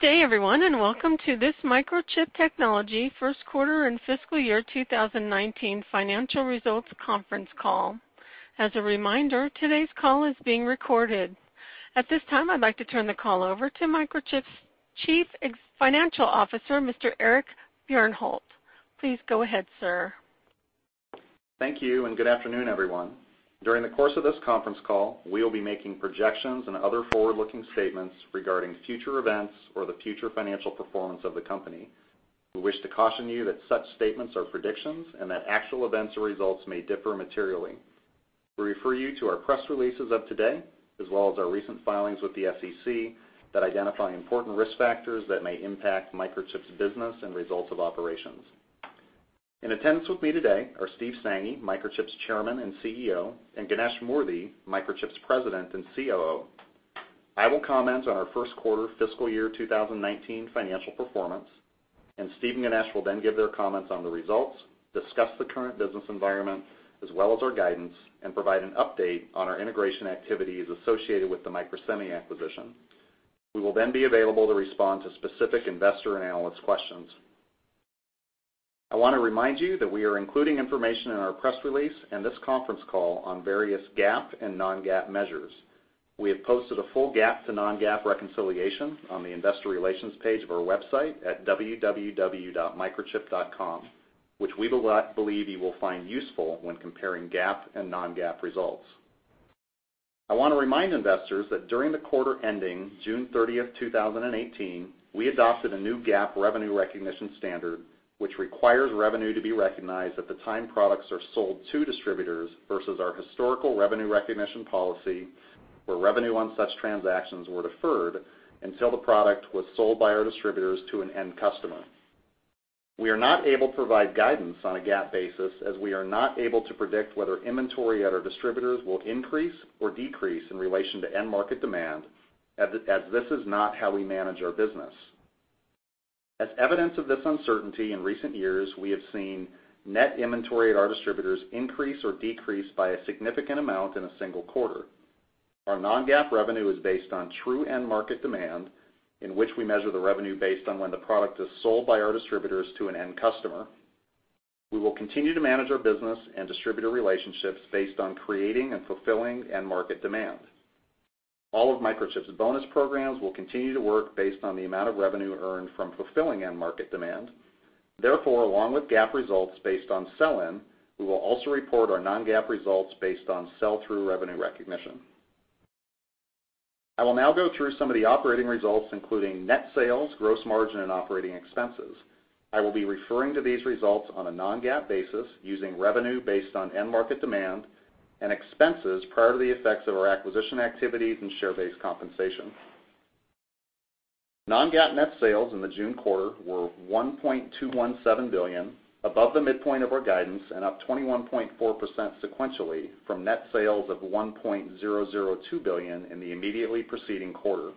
Good day everyone. Welcome to this Microchip Technology first quarter and fiscal year 2019 financial results conference call. As a reminder, today's call is being recorded. At this time, I'd like to turn the call over to Microchip's Chief Financial Officer, Mr. Eric Bjornholt. Please go ahead, sir. Thank you. Good afternoon, everyone. During the course of this conference call, we will be making projections and other forward-looking statements regarding future events or the future financial performance of the company. We wish to caution you that such statements are predictions and that actual events or results may differ materially. We refer you to our press releases of today, as well as our recent filings with the SEC that identify important risk factors that may impact Microchip's business and results of operations. In attendance with me today are Steve Sanghi, Microchip's Chairman and CEO, and Ganesh Moorthy, Microchip's President and COO. I will comment on our first quarter fiscal year 2019 financial performance. Steve and Ganesh will give their comments on the results, discuss the current business environment, as well as our guidance, and provide an update on our integration activities associated with the Microsemi acquisition. We will be available to respond to specific investor and analyst questions. I want to remind you that we are including information in our press release and this conference call on various GAAP and non-GAAP measures. We have posted a full GAAP to non-GAAP reconciliation on the investor relations page of our website at www.microchip.com, which we believe you will find useful when comparing GAAP and non-GAAP results. I want to remind investors that during the quarter ending June 30th, 2018, we adopted a new GAAP revenue recognition standard, which requires revenue to be recognized at the time products are sold to distributors versus our historical revenue recognition policy, where revenue on such transactions were deferred until the product was sold by our distributors to an end customer. We are not able to provide guidance on a GAAP basis, as we are not able to predict whether inventory at our distributors will increase or decrease in relation to end market demand, as this is not how we manage our business. As evidence of this uncertainty in recent years, we have seen net inventory at our distributors increase or decrease by a significant amount in a single quarter. Our non-GAAP revenue is based on true end market demand, in which we measure the revenue based on when the product is sold by our distributors to an end customer. We will continue to manage our business and distributor relationships based on creating and fulfilling end market demand. All of Microchip's bonus programs will continue to work based on the amount of revenue earned from fulfilling end market demand. Along with GAAP results based on sell-in, we will also report our non-GAAP results based on sell-through revenue recognition. I will now go through some of the operating results, including net sales, gross margin, and operating expenses. I will be referring to these results on a non-GAAP basis using revenue based on end market demand and expenses prior to the effects of our acquisition activities and share-based compensation. Non-GAAP net sales in the June quarter were $1.217 billion, above the midpoint of our guidance and up 21.4% sequentially from net sales of $1.002 billion in the immediately preceding quarter.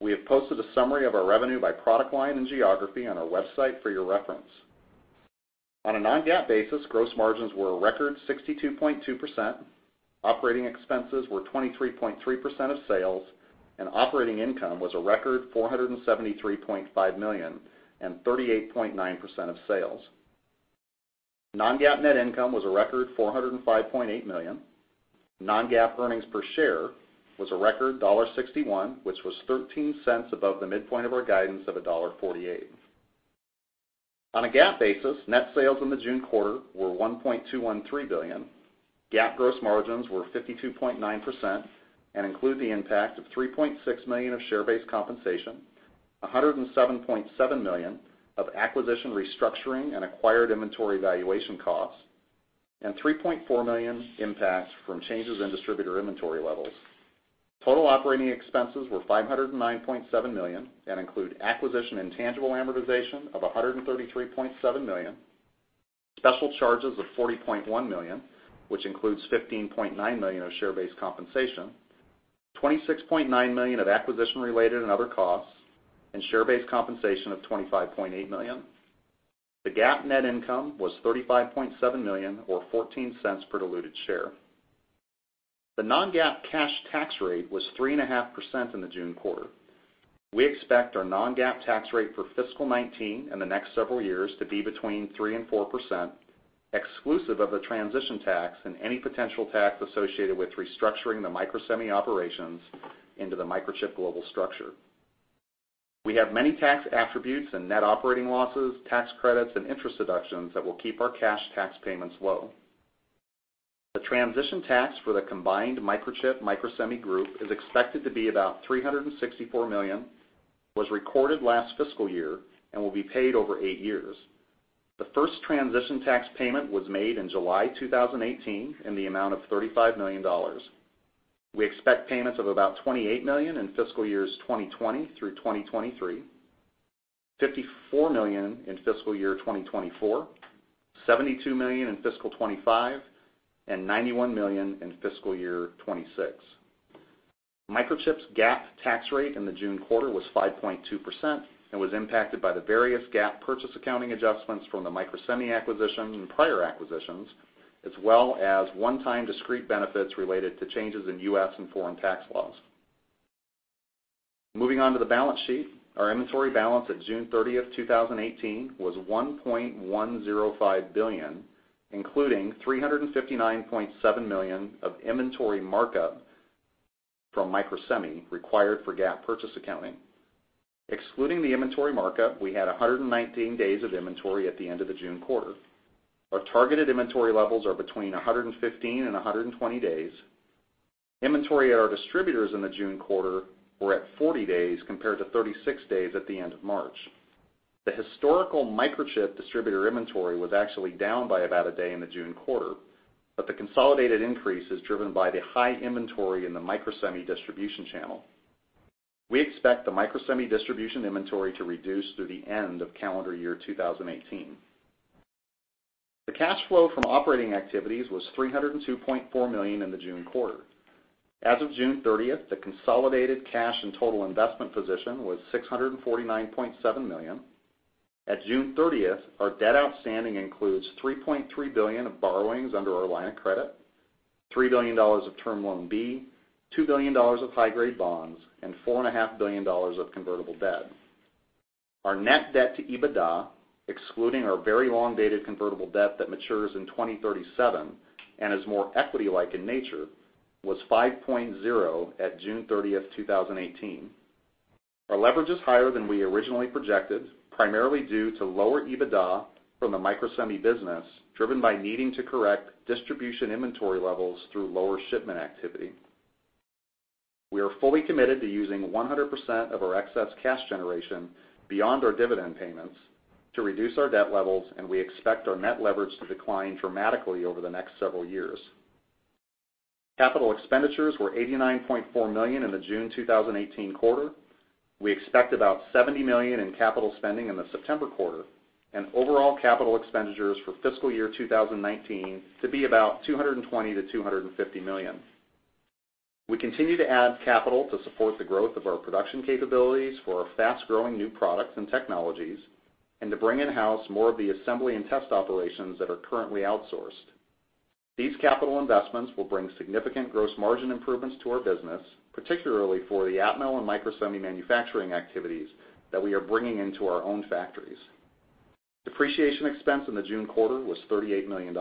We have posted a summary of our revenue by product line and geography on our website for your reference. On a non-GAAP basis, gross margins were a record 62.2%, operating expenses were 23.3% of sales, and operating income was a record $473.5 million and 38.9% of sales. Non-GAAP net income was a record $405.8 million. Non-GAAP earnings per share was a record $1.61, which was $0.13 above the midpoint of our guidance of $1.48. On a GAAP basis, net sales in the June quarter were $1.213 billion. GAAP gross margins were 52.9% and include the impact of $3.6 million of share-based compensation, $107.7 million of acquisition restructuring and acquired inventory valuation costs, and $3.4 million impact from changes in distributor inventory levels. Total operating expenses were $509.7 million and include acquisition intangible amortization of $133.7 million, special charges of $40.1 million, which includes $15.9 million of share-based compensation, $26.9 million of acquisition-related and other costs, and share-based compensation of $25.8 million. The GAAP net income was $35.7 million, or $0.14 per diluted share. The non-GAAP cash tax rate was 3.5% in the June quarter. We expect our non-GAAP tax rate for fiscal 2019 and the next several years to be between 3% and 4%, exclusive of the transition tax and any potential tax associated with restructuring the Microsemi operations into the Microchip global structure. We have many tax attributes and net operating losses, tax credits, and interest deductions that will keep our cash tax payments low. The transition tax for the combined Microchip, Microsemi group is expected to be about $364 million, was recorded last fiscal year, and will be paid over eight years. The first transition tax payment was made in July 2018 in the amount of $35 million. We expect payments of about $28 million in fiscal years 2020 through 2023, $54 million in fiscal year 2024, $72 million in fiscal 2025, and $91 million in fiscal year 2026. Microchip's GAAP tax rate in the June quarter was 5.2% and was impacted by the various GAAP purchase accounting adjustments from the Microsemi acquisition and prior acquisitions as well as one-time discrete benefits related to changes in U.S. and foreign tax laws. Moving on to the balance sheet. Our inventory balance at June 30th, 2018 was $1.105 billion, including $359.7 million of inventory markup from Microsemi required for GAAP purchase accounting. Excluding the inventory markup, we had 119 days of inventory at the end of the June quarter. Our targeted inventory levels are between 115 and 120 days. Inventory at our distributors in the June quarter were at 40 days compared to 36 days at the end of March. The historical Microchip distributor inventory was actually down by about a day in the June quarter, but the consolidated increase is driven by the high inventory in the Microsemi distribution channel. We expect the Microsemi distribution inventory to reduce through the end of calendar year 2018. The cash flow from operating activities was $302.4 million in the June quarter. As of June 30th, the consolidated cash and total investment position was $649.7 million. At June 30th, our debt outstanding includes $3.3 billion of borrowings under our line of credit, $3 billion of Term Loan B, $2 billion of high-grade bonds, and $4.5 billion of convertible debt. Our net debt to EBITDA, excluding our very long-dated convertible debt that matures in 2037 and is more equity-like in nature, was 5.0 at June 30th, 2018. Our leverage is higher than we originally projected, primarily due to lower EBITDA from the Microsemi business, driven by needing to correct distribution inventory levels through lower shipment activity. We are fully committed to using 100% of our excess cash generation beyond our dividend payments to reduce our debt levels. We expect our net leverage to decline dramatically over the next several years. Capital expenditures were $89.4 million in the June 2018 quarter. We expect about $70 million in capital spending in the September quarter, and overall capital expenditures for fiscal year 2019 to be about $220 million-$250 million. We continue to add capital to support the growth of our production capabilities for our fast-growing new products and technologies, and to bring in-house more of the assembly and test operations that are currently outsourced. These capital investments will bring significant gross margin improvements to our business, particularly for the Atmel and Microsemi manufacturing activities that we are bringing into our own factories. Depreciation expense in the June quarter was $38 million.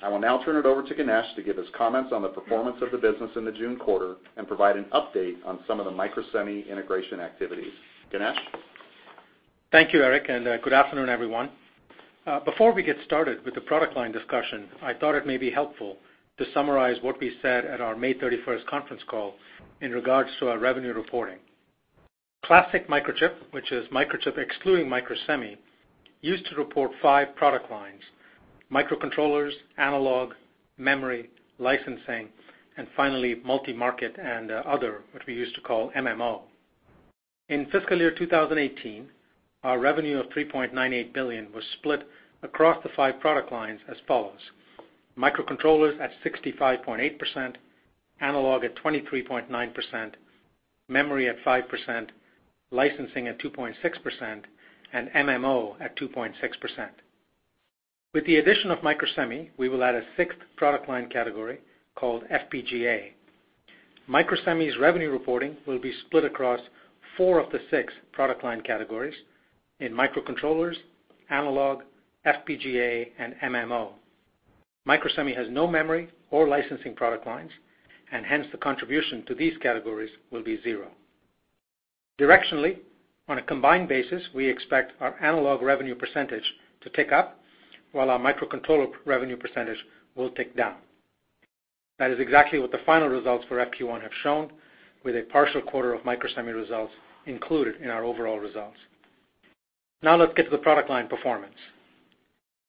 I will now turn it over to Ganesh to give his comments on the performance of the business in the June quarter and provide an update on some of the Microsemi integration activities. Ganesh? Thank you, Eric. Good afternoon, everyone. Before we get started with the product line discussion, I thought it may be helpful to summarize what we said at our May 31st conference call in regards to our revenue reporting. Classic Microchip, which is Microchip excluding Microsemi, used to report five product lines; microcontrollers, analog, memory, licensing, and finally, multimarket and other, which we used to call MMO. In fiscal year 2018, our revenue of $3.98 billion was split across the five product lines as follows: microcontrollers at 65.8%, analog at 23.9%, memory at 5%, licensing at 2.6%, and MMO at 2.6%. With the addition of Microsemi, we will add a sixth product line category called FPGA. Microsemi's revenue reporting will be split across four of the six product line categories in microcontrollers, analog, FPGA, and MMO. Microsemi has no memory or licensing product lines. Hence, the contribution to these categories will be zero. Directionally, on a combined basis, we expect our analog revenue percentage to tick up while our microcontroller revenue percentage will tick down. That is exactly what the final results for FQ1 have shown, with a partial quarter of Microsemi results included in our overall results. Let's get to the product line performance.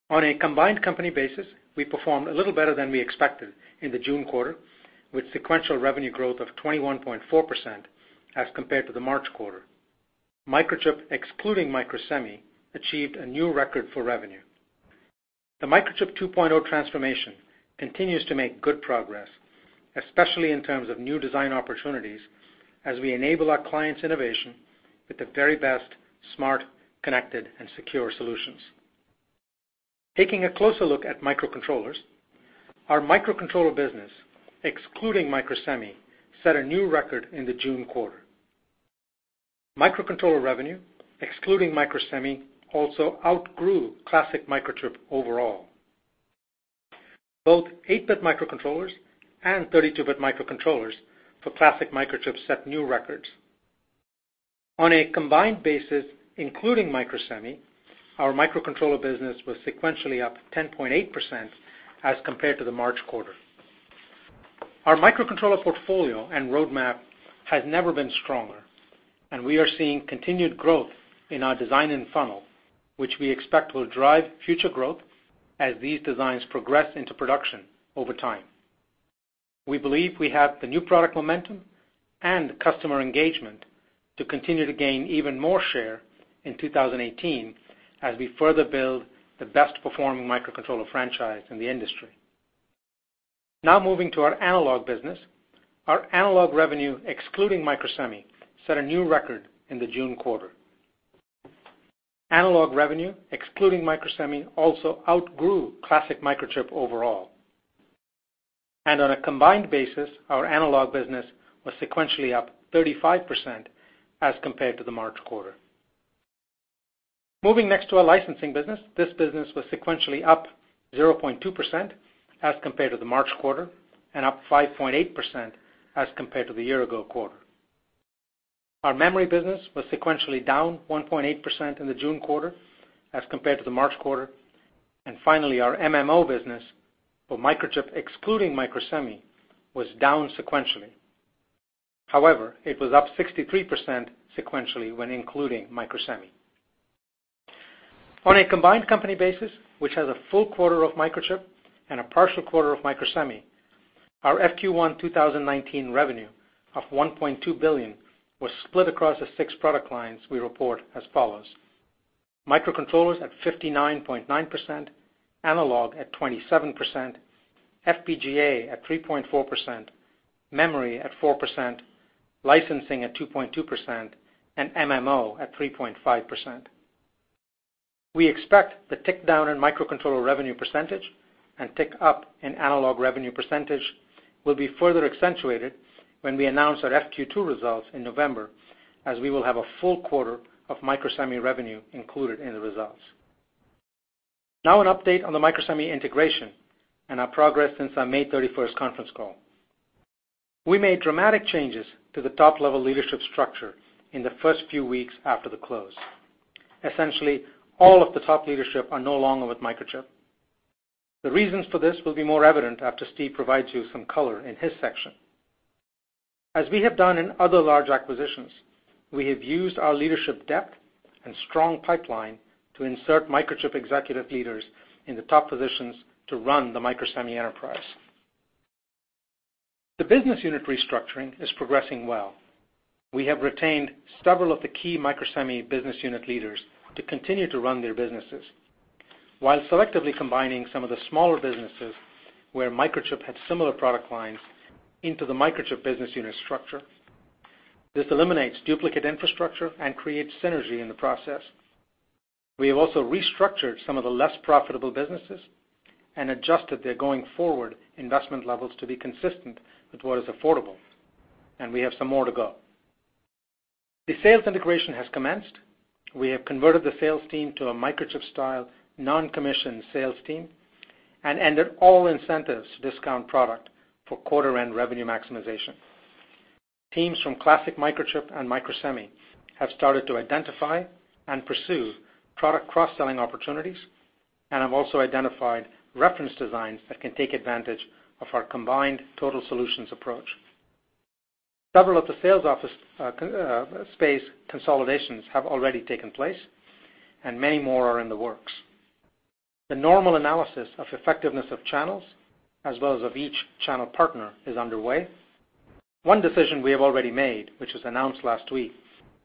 On a combined company basis, we performed a little better than we expected in the June quarter, with sequential revenue growth of 21.4% as compared to the March quarter. Microchip, excluding Microsemi, achieved a new record for revenue. The Microchip 2.0 transformation continues to make good progress, especially in terms of new design opportunities as we enable our clients' innovation with the very best smart, connected, and secure solutions. Taking a closer look at microcontrollers, our microcontroller business, excluding Microsemi, set a new record in the June quarter. Microcontroller revenue, excluding Microsemi, also outgrew classic Microchip overall. Both 8-bit microcontrollers and 32-bit microcontrollers for classic Microchip set new records. On a combined basis, including Microsemi, our microcontroller business was sequentially up 10.8% as compared to the March quarter. Our microcontroller portfolio and roadmap has never been stronger. We are seeing continued growth in our design-in funnel, which we expect will drive future growth as these designs progress into production over time. We believe we have the new product momentum and customer engagement to continue to gain even more share in 2018 as we further build the best performing microcontroller franchise in the industry. Moving to our analog business. Our analog revenue, excluding Microsemi, set a new record in the June quarter. Analog revenue, excluding Microsemi, also outgrew classic Microchip overall. On a combined basis, our analog business was sequentially up 35% as compared to the March quarter. Moving next to our licensing business. This business was sequentially up 0.2% as compared to the March quarter. Up 5.8% as compared to the year ago quarter. Our memory business was sequentially down 1.8% in the June quarter as compared to the March quarter. Finally, our MMO business, for Microchip excluding Microsemi, was down sequentially. However, it was up 63% sequentially when including Microsemi. On a combined company basis, which has a full quarter of Microchip and a partial quarter of Microsemi, our FQ1 2019 revenue of $1.2 billion was split across the six product lines we report as follows: microcontrollers at 59.9%, analog at 27%, FPGA at 3.4%, memory at 4%, licensing at 2.2%, and MMO at 3.5%. We expect the tick down in microcontroller revenue percentage and tick up in analog revenue percentage will be further accentuated when we announce our FQ2 results in November, as we will have a full quarter of Microsemi revenue included in the results. An update on the Microsemi integration and our progress since our May 31st conference call. We made dramatic changes to the top-level leadership structure in the first few weeks after the close. Essentially, all of the top leadership are no longer with Microchip. The reasons for this will be more evident after Steve provides you some color in his section. As we have done in other large acquisitions, we have used our leadership depth and strong pipeline to insert Microchip executive leaders in the top positions to run the Microsemi enterprise. The business unit restructuring is progressing well. We have retained several of the key Microsemi business unit leaders to continue to run their businesses while selectively combining some of the smaller businesses, where Microchip had similar product lines into the Microchip business unit structure. This eliminates duplicate infrastructure and creates synergy in the process. We have also restructured some of the less profitable businesses and adjusted their going forward investment levels to be consistent with what is affordable, and we have some more to go. The sales integration has commenced. We have converted the sales team to a Microchip style non-commission sales team and ended all incentives to discount product for quarter end revenue maximization. Teams from classic Microchip and Microsemi have started to identify and pursue product cross-selling opportunities, and have also identified reference designs that can take advantage of our combined total solutions approach. Several of the sales office space consolidations have already taken place and many more are in the works. The normal analysis of effectiveness of channels, as well as of each channel partner, is underway. One decision we have already made, which was announced last week,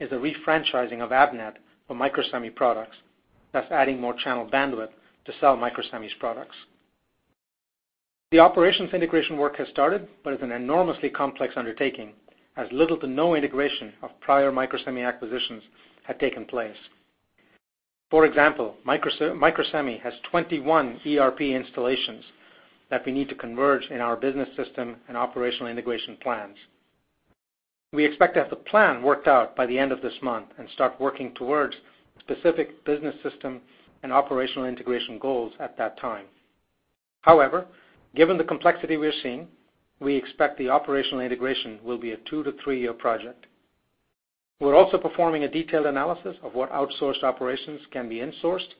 is the refranchising of Avnet for Microsemi products, thus adding more channel bandwidth to sell Microsemi's products. The operations integration work has started but is an enormously complex undertaking, as little to no integration of prior Microsemi acquisitions had taken place. For example, Microsemi has 21 ERP installations that we need to converge in our business system and operational integration plans. We expect to have the plan worked out by the end of this month and start working towards specific business system and operational integration goals at that time. Given the complexity we are seeing, we expect the operational integration will be a two to three-year project. We're also performing a detailed analysis of what outsourced operations can be insourced,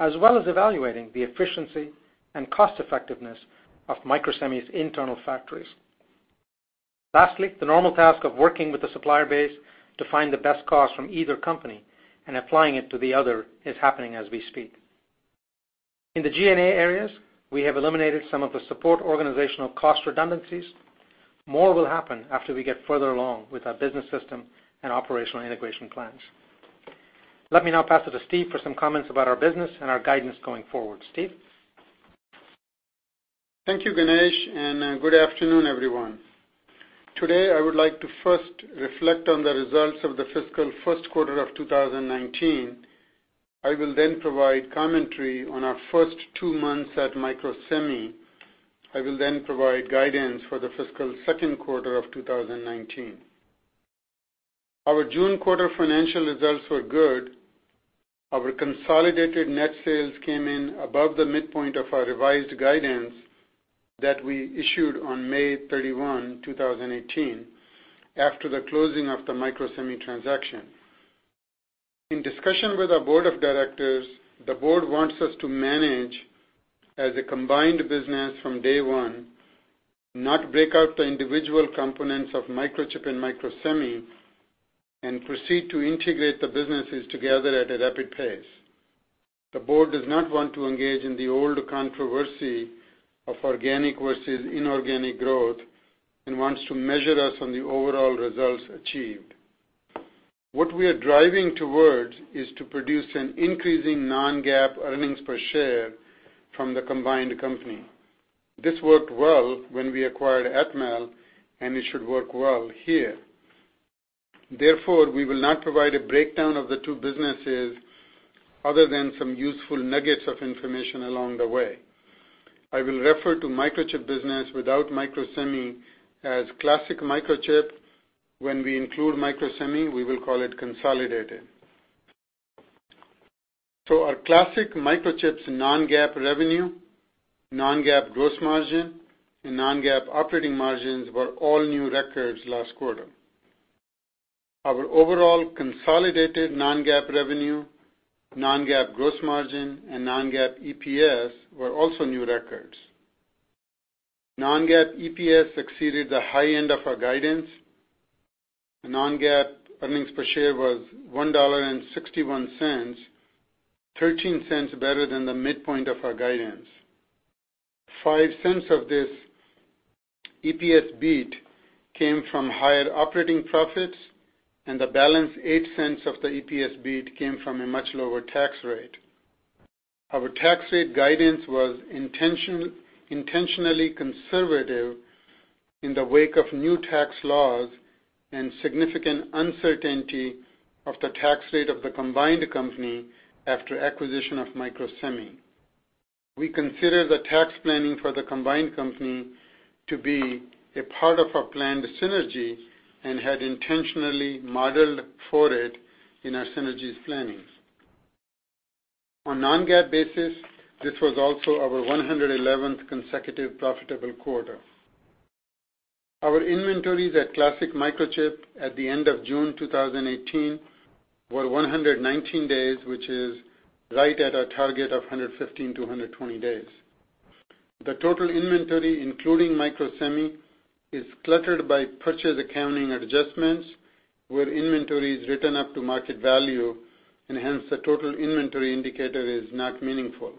as well as evaluating the efficiency and cost effectiveness of Microsemi's internal factories. Lastly, the normal task of working with the supplier base to find the best cost from either company and applying it to the other is happening as we speak. In the G&A areas, we have eliminated some of the support organizational cost redundancies. More will happen after we get further along with our business system and operational integration plans. Let me now pass it to Steve for some comments about our business and our guidance going forward. Steve? Thank you, Ganesh, and good afternoon, everyone. Today, I would like to first reflect on the results of the fiscal first quarter of 2019. I will then provide commentary on our first two months at Microsemi. I will then provide guidance for the fiscal second quarter of 2019. Our June quarter financial results were good. Our consolidated net sales came in above the midpoint of our revised guidance that we issued on May 31, 2018, after the closing of the Microsemi transaction. In discussion with our board of directors, the board wants us to manage as a combined business from day one, not break out the individual components of Microchip and Microsemi, and proceed to integrate the businesses together at a rapid pace. The board does not want to engage in the old controversy of organic versus inorganic growth and wants to measure us on the overall results achieved. What we are driving towards is to produce an increasing non-GAAP earnings per share from the combined company. This worked well when we acquired Atmel, and it should work well here. Therefore, we will not provide a breakdown of the two businesses other than some useful nuggets of information along the way. I will refer to Microchip business without Microsemi as classic Microchip. When we include Microsemi, we will call it consolidated. Our classic Microchip's non-GAAP revenue, non-GAAP gross margin, and non-GAAP operating margins were all new records last quarter. Our overall consolidated non-GAAP revenue, non-GAAP gross margin, and non-GAAP EPS were also new records. Non-GAAP EPS exceeded the high end of our guidance, and non-GAAP earnings per share was $1.61, $0.13 better than the midpoint of our guidance. $0.05 of this EPS beat came from higher operating profits, and the balance $0.08 of the EPS beat came from a much lower tax rate. Our tax rate guidance was intentionally conservative in the wake of new tax laws and significant uncertainty of the tax rate of the combined company after acquisition of Microsemi. We consider the tax planning for the combined company to be a part of our planned synergy and had intentionally modeled for it in our synergies plannings. On non-GAAP basis, this was also our 111th consecutive profitable quarter. Our inventories at classic Microchip at the end of June 2018 were 119 days, which is right at our target of 115-120 days. The total inventory, including Microsemi, is cluttered by purchase accounting adjustments, where inventory is written up to market value and hence the total inventory indicator is not meaningful.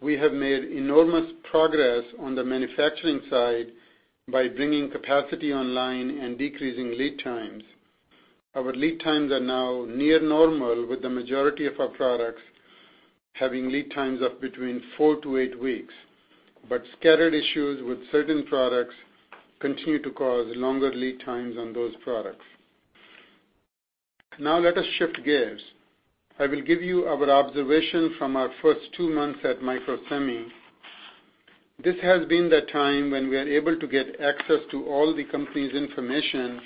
We have made enormous progress on the manufacturing side by bringing capacity online and decreasing lead times. Our lead times are now near normal, with the majority of our products having lead times of between 4-8 weeks. Scattered issues with certain products continue to cause longer lead times on those products. Let us shift gears. I will give you our observation from our first two months at Microsemi. This has been the time when we are able to get access to all the company's information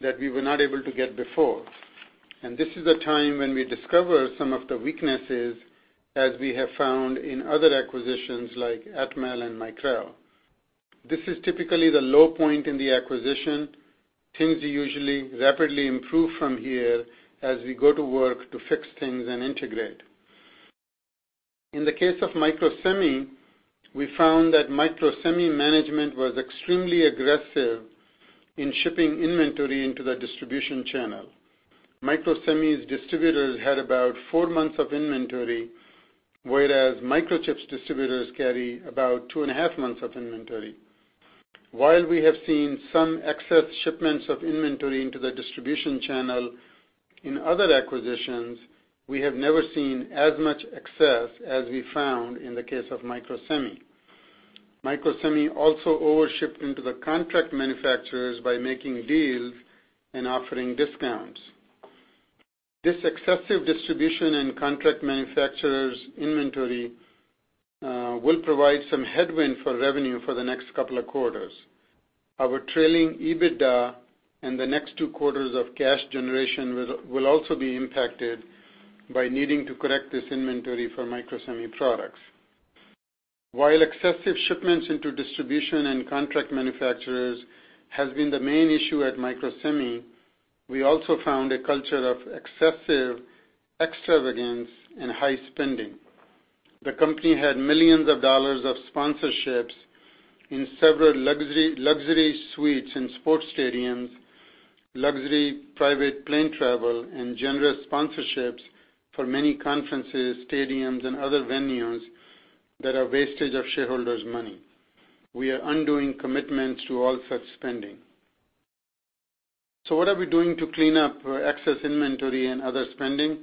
that we were not able to get before. This is the time when we discover some of the weaknesses as we have found in other acquisitions like Atmel and Micrel. This is typically the low point in the acquisition. Things usually rapidly improve from here as we go to work to fix things and integrate. In the case of Microsemi, we found that Microsemi management was extremely aggressive in shipping inventory into the distribution channel. Microsemi's distributors had about 4 months of inventory, whereas Microchip's distributors carry about two and a half months of inventory. While we have seen some excess shipments of inventory into the distribution channel in other acquisitions, we have never seen as much excess as we found in the case of Microsemi. Microsemi also over-shipped into the contract manufacturers by making deals and offering discounts. This excessive distribution in contract manufacturer's inventory will provide some headwind for revenue for the next couple of quarters. Our trailing EBITDA and the next two quarters of cash generation will also be impacted by needing to correct this inventory for Microsemi products. While excessive shipments into distribution and contract manufacturers has been the main issue at Microsemi, we also found a culture of excessive extravagance and high spending. The company had millions of dollars of sponsorships in several luxury suites in sports stadiums, luxury private plane travel, and generous sponsorships for many conferences, stadiums, and other venues that are wastage of shareholders' money. We are undoing commitments to all such spending. What are we doing to clean up excess inventory and other spending?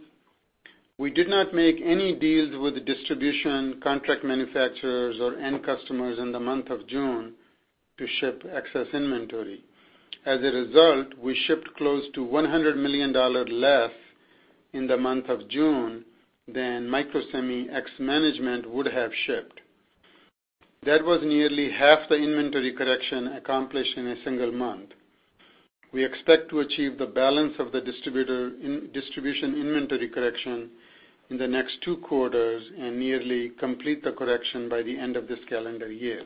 We did not make any deals with the distribution contract manufacturers or end customers in the month of June to ship excess inventory. As a result, we shipped close to $100 million less in the month of June than Microsemi ex management would have shipped. That was nearly half the inventory correction accomplished in a single month. We expect to achieve the balance of the distribution inventory correction in the next two quarters and nearly complete the correction by the end of this calendar year.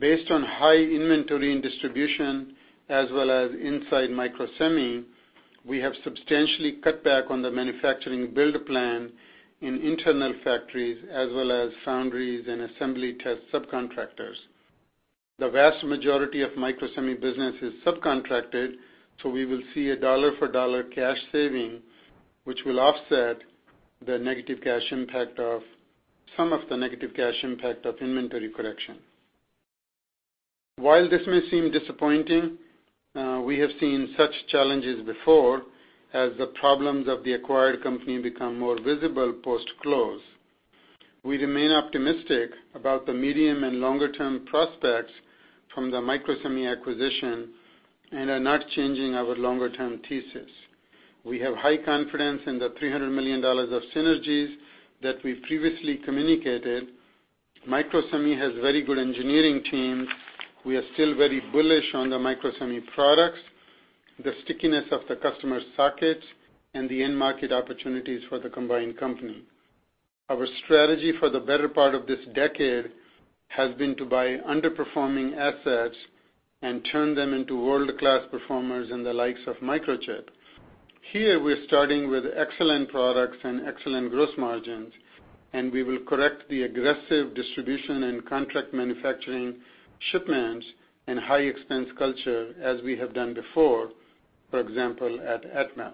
Based on high inventory and distribution as well as inside Microsemi, we have substantially cut back on the manufacturing build plan in internal factories as well as foundries and assembly test subcontractors. The vast majority of Microsemi business is subcontracted, we will see a dollar-for-dollar cash saving, which will offset some of the negative cash impact of inventory correction. While this may seem disappointing, we have seen such challenges before as the problems of the acquired company become more visible post-close. We remain optimistic about the medium and longer-term prospects from the Microsemi acquisition and are not changing our longer-term thesis. We have high confidence in the $300 million of synergies that we previously communicated. Microsemi has very good engineering teams. We are still very bullish on the Microsemi products, the stickiness of the customer sockets, and the end market opportunities for the combined company. Our strategy for the better part of this decade has been to buy underperforming assets and turn them into world-class performers in the likes of Microchip. Here, we are starting with excellent products and excellent gross margins, we will correct the aggressive distribution in contract manufacturing shipments and high expense culture as we have done before, for example, at Atmel.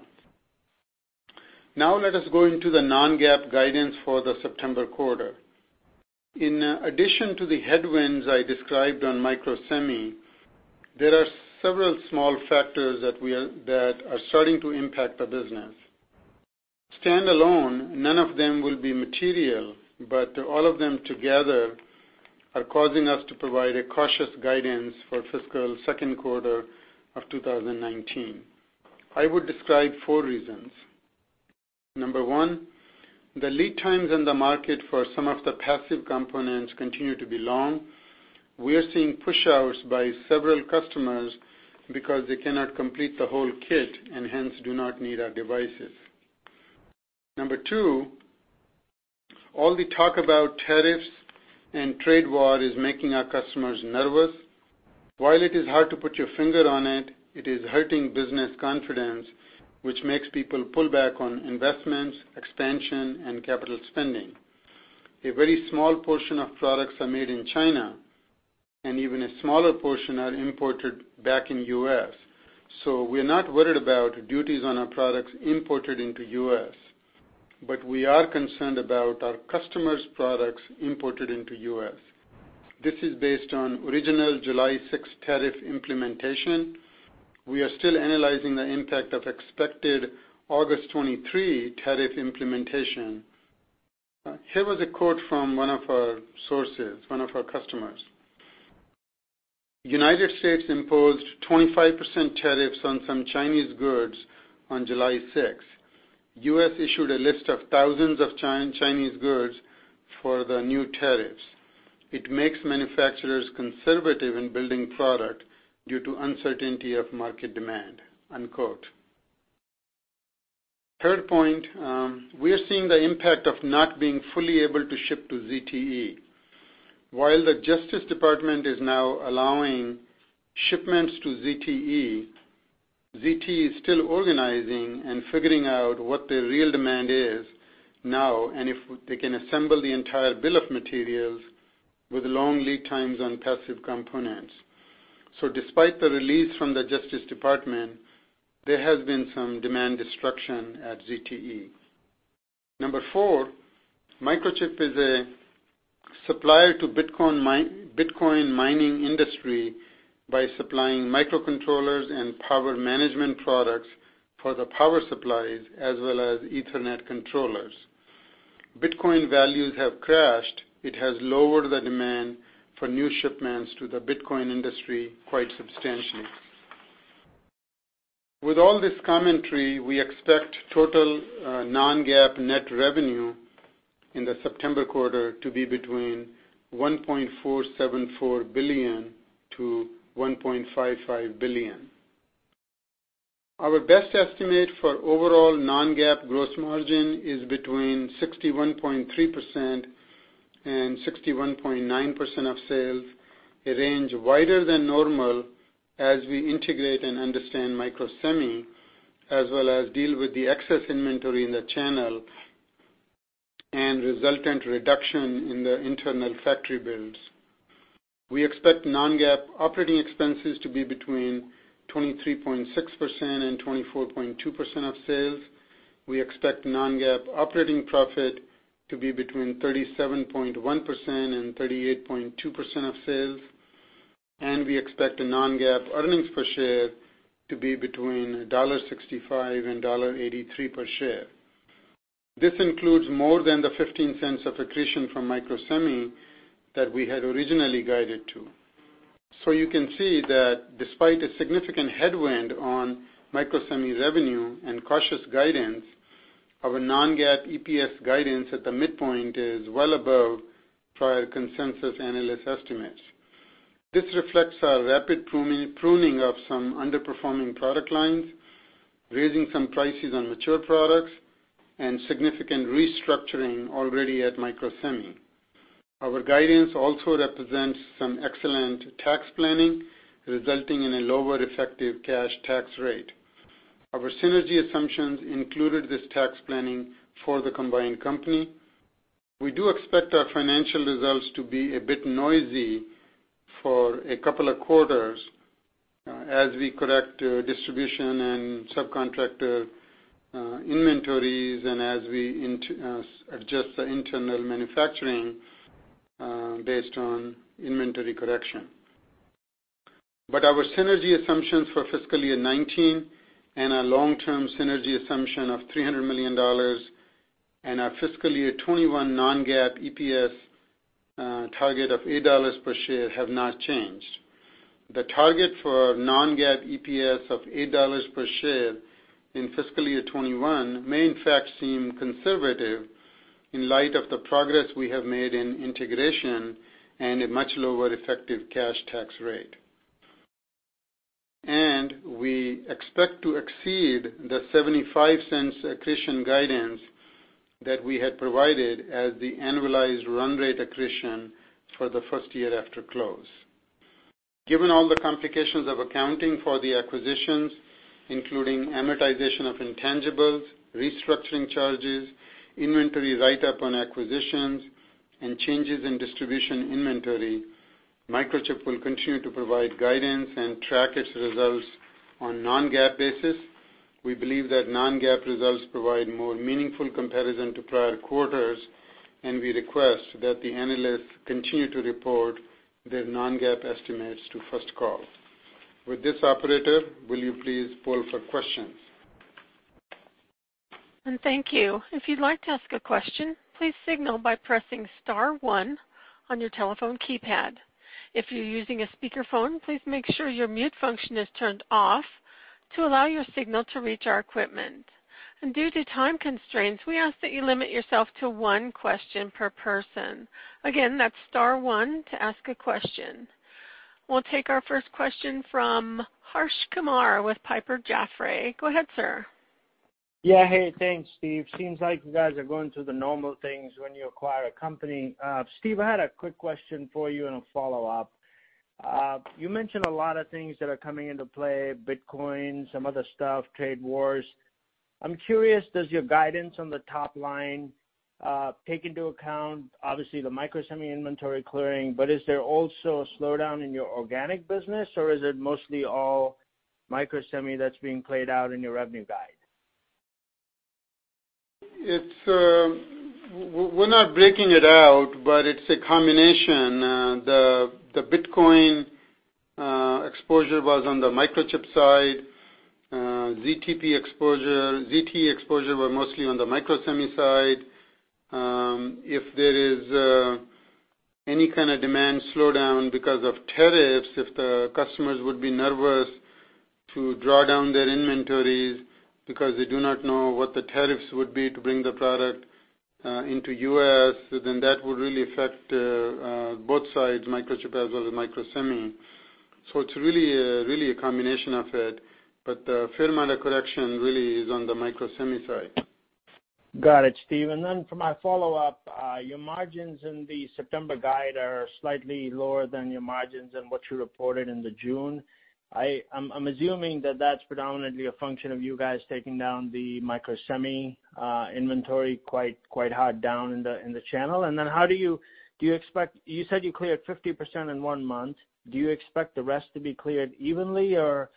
Let us go into the non-GAAP guidance for the September quarter. In addition to the headwinds I described on Microsemi, there are several small factors that are starting to impact the business. Standalone, none of them will be material, all of them together are causing us to provide a cautious guidance for fiscal second quarter of 2019. I would describe four reasons. Number one, the lead times in the market for some of the passive components continue to be long. We are seeing pushouts by several customers because they cannot complete the whole kit and hence do not need our devices. Number two, all the talk about tariffs and trade war is making our customers nervous. While it is hard to put your finger on it is hurting business confidence, which makes people pull back on investments, expansion, and capital spending. A very small portion of products are made in China, even a smaller portion are imported back in U.S. We are not worried about duties on our products imported into U.S., we are concerned about our customers' products imported into U.S. This is based on original July 6 tariff implementation. We are still analyzing the impact of expected August 23 tariff implementation. Here was a quote from one of our sources, one of our customers. "U.S. imposed 25% tariffs on some Chinese goods on July 6. U.S. issued a list of thousands of Chinese goods for the new tariffs. It makes manufacturers conservative in building product due to uncertainty of market demand." unquote. Third point, we are seeing the impact of not being fully able to ship to ZTE. While the Justice Department is now allowing shipments to ZTE is still organizing and figuring out what their real demand is now, and if they can assemble the entire bill of materials with long lead times on passive components. Despite the release from the Justice Department, there has been some demand destruction at ZTE. Number four, Microchip is a supplier to Bitcoin mining industry by supplying microcontrollers and power management products for the power supplies as well as Ethernet controllers. Bitcoin values have crashed. It has lowered the demand for new shipments to the Bitcoin industry quite substantially. With all this commentary, we expect total non-GAAP net revenue in the September quarter to be between $1.474 billion-$1.55 billion. Our best estimate for overall non-GAAP gross margin is between 61.3% and 61.9% of sales, a range wider than normal as we integrate and understand Microsemi, as well as deal with the excess inventory in the channel and resultant reduction in the internal factory builds. We expect non-GAAP operating expenses to be between 23.6% and 24.2% of sales. We expect non-GAAP operating profit to be between 37.1% and 38.2% of sales, and we expect a non-GAAP earnings per share to be between $1.65 and $1.83 per share. This includes more than the $0.15 of attrition from Microsemi that we had originally guided to. You can see that despite a significant headwind on Microsemi's revenue and cautious guidance, our non-GAAP EPS guidance at the midpoint is well above prior consensus analyst estimates. This reflects our rapid pruning of some underperforming product lines, raising some prices on mature products, and significant restructuring already at Microsemi. Our guidance also represents some excellent tax planning, resulting in a lower effective cash tax rate. Our synergy assumptions included this tax planning for the combined company. We do expect our financial results to be a bit noisy for a couple of quarters as we correct distribution and subcontractor inventories and as we adjust the internal manufacturing based on inventory correction. Our synergy assumptions for FY 2019 and our long-term synergy assumption of $300 million and our FY 2021 non-GAAP EPS target of $8 per share have not changed. The target for non-GAAP EPS of $8 per share in FY 2021 may in fact seem conservative in light of the progress we have made in integration and a much lower effective cash tax rate. We expect to exceed the $0.75 accretion guidance that we had provided as the annualized run rate accretion for the first year after close. Given all the complications of accounting for the acquisitions, including amortization of intangibles, restructuring charges, inventory write-up on acquisitions, and changes in distribution inventory, Microchip will continue to provide guidance and track its results on non-GAAP basis. We believe that non-GAAP results provide more meaningful comparison to prior quarters. We request that the analysts continue to report their non-GAAP estimates to First Call. With this, operator, will you please poll for questions? Thank you. If you'd like to ask a question, please signal by pressing star one on your telephone keypad. If you're using a speakerphone, please make sure your mute function is turned off to allow your signal to reach our equipment. Due to time constraints, we ask that you limit yourself to one question per person. Again, that's star one to ask a question. We'll take our first question from Harsh Kumar with Piper Jaffray. Go ahead, sir. Yeah. Hey, thanks, Steve. Seems like you guys are going through the normal things when you acquire a company. Steve, I had a quick question for you and a follow-up. You mentioned a lot of things that are coming into play, Bitcoin, some other stuff, trade wars. I'm curious, does your guidance on the top line take into account, obviously, the Microsemi inventory clearing, but is there also a slowdown in your organic business, or is it mostly all Microsemi that's being played out in your revenue guide? We're not breaking it out, but it's a combination. The Bitcoin exposure was on the Microchip side. ZTE exposure were mostly on the Microsemi side. If there is any kind of demand slowdown because of tariffs, if the customers would be nervous to draw down their inventories because they do not know what the tariffs would be to bring the product into U.S., then that would really affect both sides, Microchip as well as Microsemi. It's really a combination of it, but the fair amount of correction really is on the Microsemi side. Got it, Steve. For my follow-up, your margins in the September guide are slightly lower than your margins and what you reported in the June. I am assuming that that is predominantly a function of you guys taking down the Microsemi inventory quite hard down in the channel. Then you said you cleared 50% in one month. Do you expect the rest to be cleared evenly, or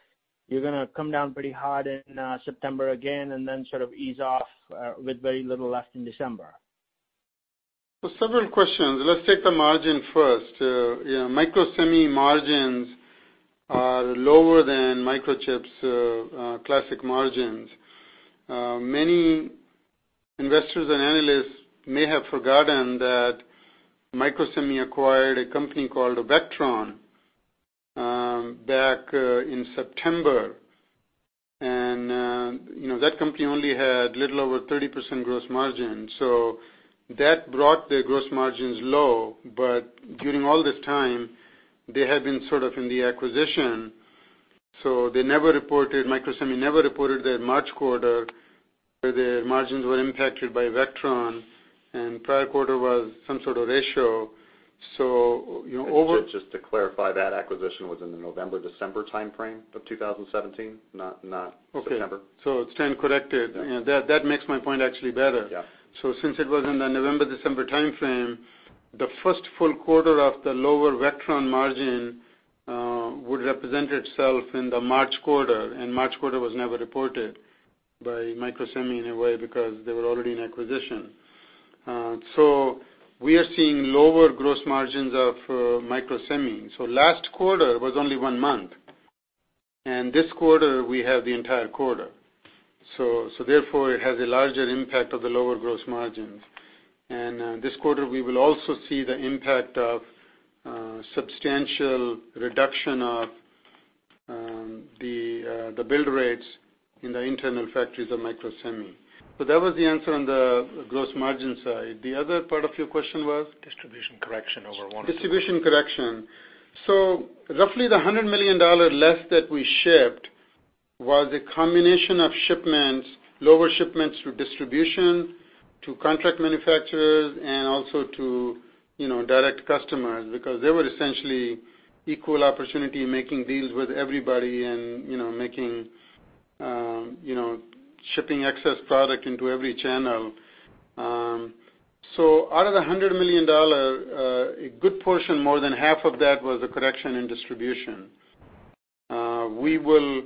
you are going to come down pretty hard in September again and then sort of ease off with very little left in December? Several questions. Let's take the margin first. Microsemi margins are lower than Microchip's classic margins. Many investors and analysts may have forgotten that Microsemi acquired a company called Vectron back in September, and that company only had little over 30% gross margin. That brought the gross margins low, but during all this time, they had been sort of in the acquisition. Microsemi never reported their March quarter, where their margins were impacted by Vectron, and prior quarter was some sort of ratio. Just to clarify, that acquisition was in the November, December timeframe of 2017, not September. Okay, stand corrected. Yeah. That makes my point actually better. Yeah. Since it was in the November, December timeframe, the first full quarter of the lower Vectron margin would represent itself in the March quarter, and March quarter was never reported by Microsemi in a way because they were already in acquisition. We are seeing lower gross margins of Microsemi. Last quarter was only one month, and this quarter we have the entire quarter. Therefore, it has a larger impact of the lower gross margins. This quarter, we will also see the impact of substantial reduction of the build rates in the internal factories of Microsemi. That was the answer on the gross margin side. The other part of your question was? Distribution correction over Distribution correction. Roughly the $100 million less that we shipped was a combination of shipments, lower shipments through distribution to contract manufacturers and also to direct customers, because they were essentially equal opportunity in making deals with everybody and shipping excess product into every channel. Out of the $100 million, a good portion, more than half of that, was a correction in distribution. We will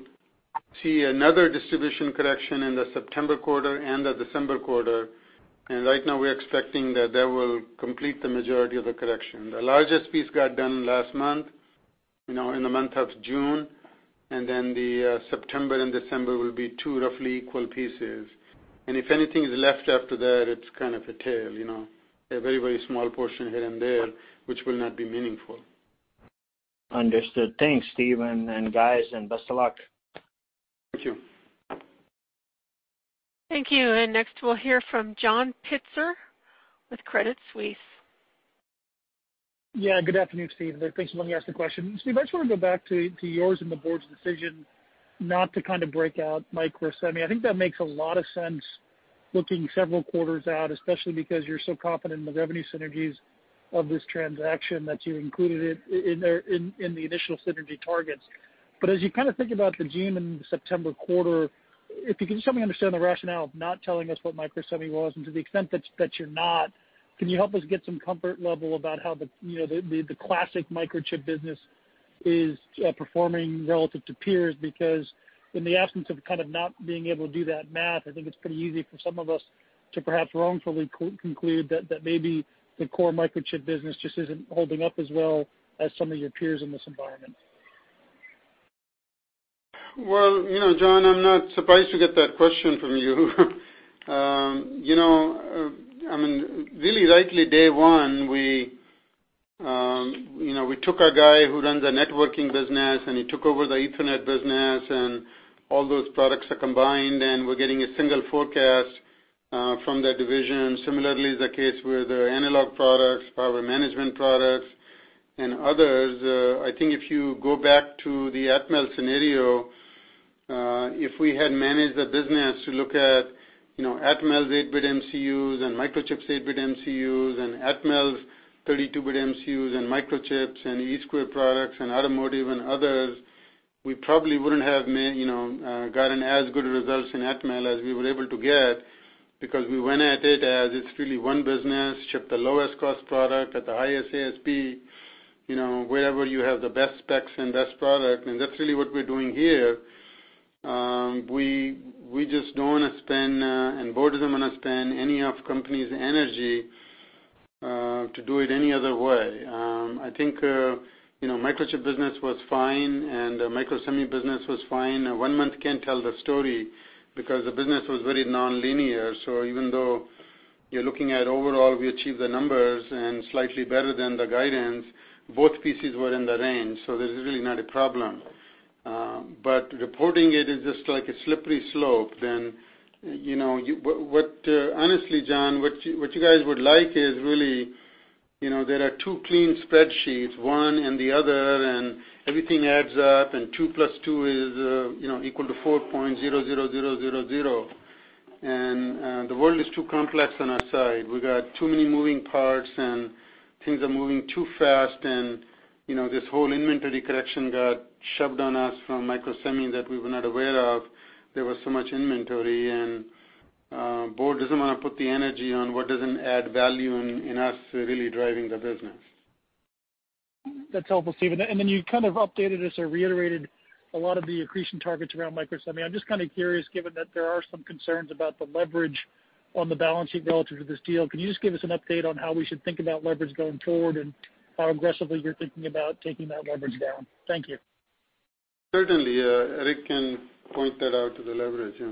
see another distribution correction in the September quarter and the December quarter, and right now we're expecting that that will complete the majority of the correction. The largest piece got done last month, in the month of June, and then the September and December will be two roughly equal pieces. If anything is left after that, it's kind of a tail. A very, very small portion here and there, which will not be meaningful. Understood. Thanks, Steve, and guys, best of luck. Thank you. Thank you, next we'll hear from John Pitzer with Credit Suisse. Good afternoon, Steve. Thanks for letting me ask the question. Steve, I just want to go back to yours and the board's decision not to kind of break out Microsemi. I think that makes a lot of sense looking several quarters out, especially because you're so confident in the revenue synergies of this transaction that you included it in the initial synergy targets. As you kind of think about the June and September quarter, if you could just help me understand the rationale of not telling us what Microsemi was, and to the extent that you're not, can you help us get some comfort level about how the classic Microchip business is performing relative to peers? In the absence of kind of not being able to do that math, I think it's pretty easy for some of us to perhaps wrongfully conclude that maybe the core Microchip business just isn't holding up as well as some of your peers in this environment. Well, John, I'm not surprised to get that question from you. Really rightly, day one, we took our guy who runs the networking business, and he took over the Ethernet business, and all those products are combined, and we're getting a single forecast from that division. Similarly, is the case with our analog products, power management products, and others. I think if you go back to the Atmel scenario, if we had managed the business to look at Atmel's 8-bit MCUs and Microchip's 8-bit MCUs and Atmel's 32-bit MCUs and Microchip's and E2PROM products and automotive and others, we probably wouldn't have gotten as good results in Atmel as we were able to get because we went at it as it's really one business, ship the lowest cost product at the highest ASP, wherever you have the best specs and best product, and that's really what we're doing here. We just don't want to spend, and board doesn't want to spend any of company's energy to do it any other way. I think Microchip business was fine, and Microsemi business was fine. One month can't tell the story because the business was very non-linear. Even though you're looking at overall, we achieved the numbers and slightly better than the guidance, both pieces were in the range, so this is really not a problem. Reporting it is just like a slippery slope then. Honestly, John, what you guys would like is really there are two clean spreadsheets, one and the other, and everything adds up, and two plus two is equal to 4.00000. The world is too complex on our side. We got too many moving parts, and things are moving too fast, and this whole inventory correction got shoved on us from Microsemi that we were not aware of. There was so much inventory, and board doesn't want to put the energy on what doesn't add value in us really driving the business. That's helpful, Steve. You kind of updated us or reiterated a lot of the accretion targets around Microsemi. I'm just kind of curious, given that there are some concerns about the leverage on the balance sheet relative to this deal. Can you just give us an update on how we should think about leverage going forward and how aggressively you're thinking about taking that leverage down? Thank you. Certainly. Eric can point that out to the leverage. Yeah.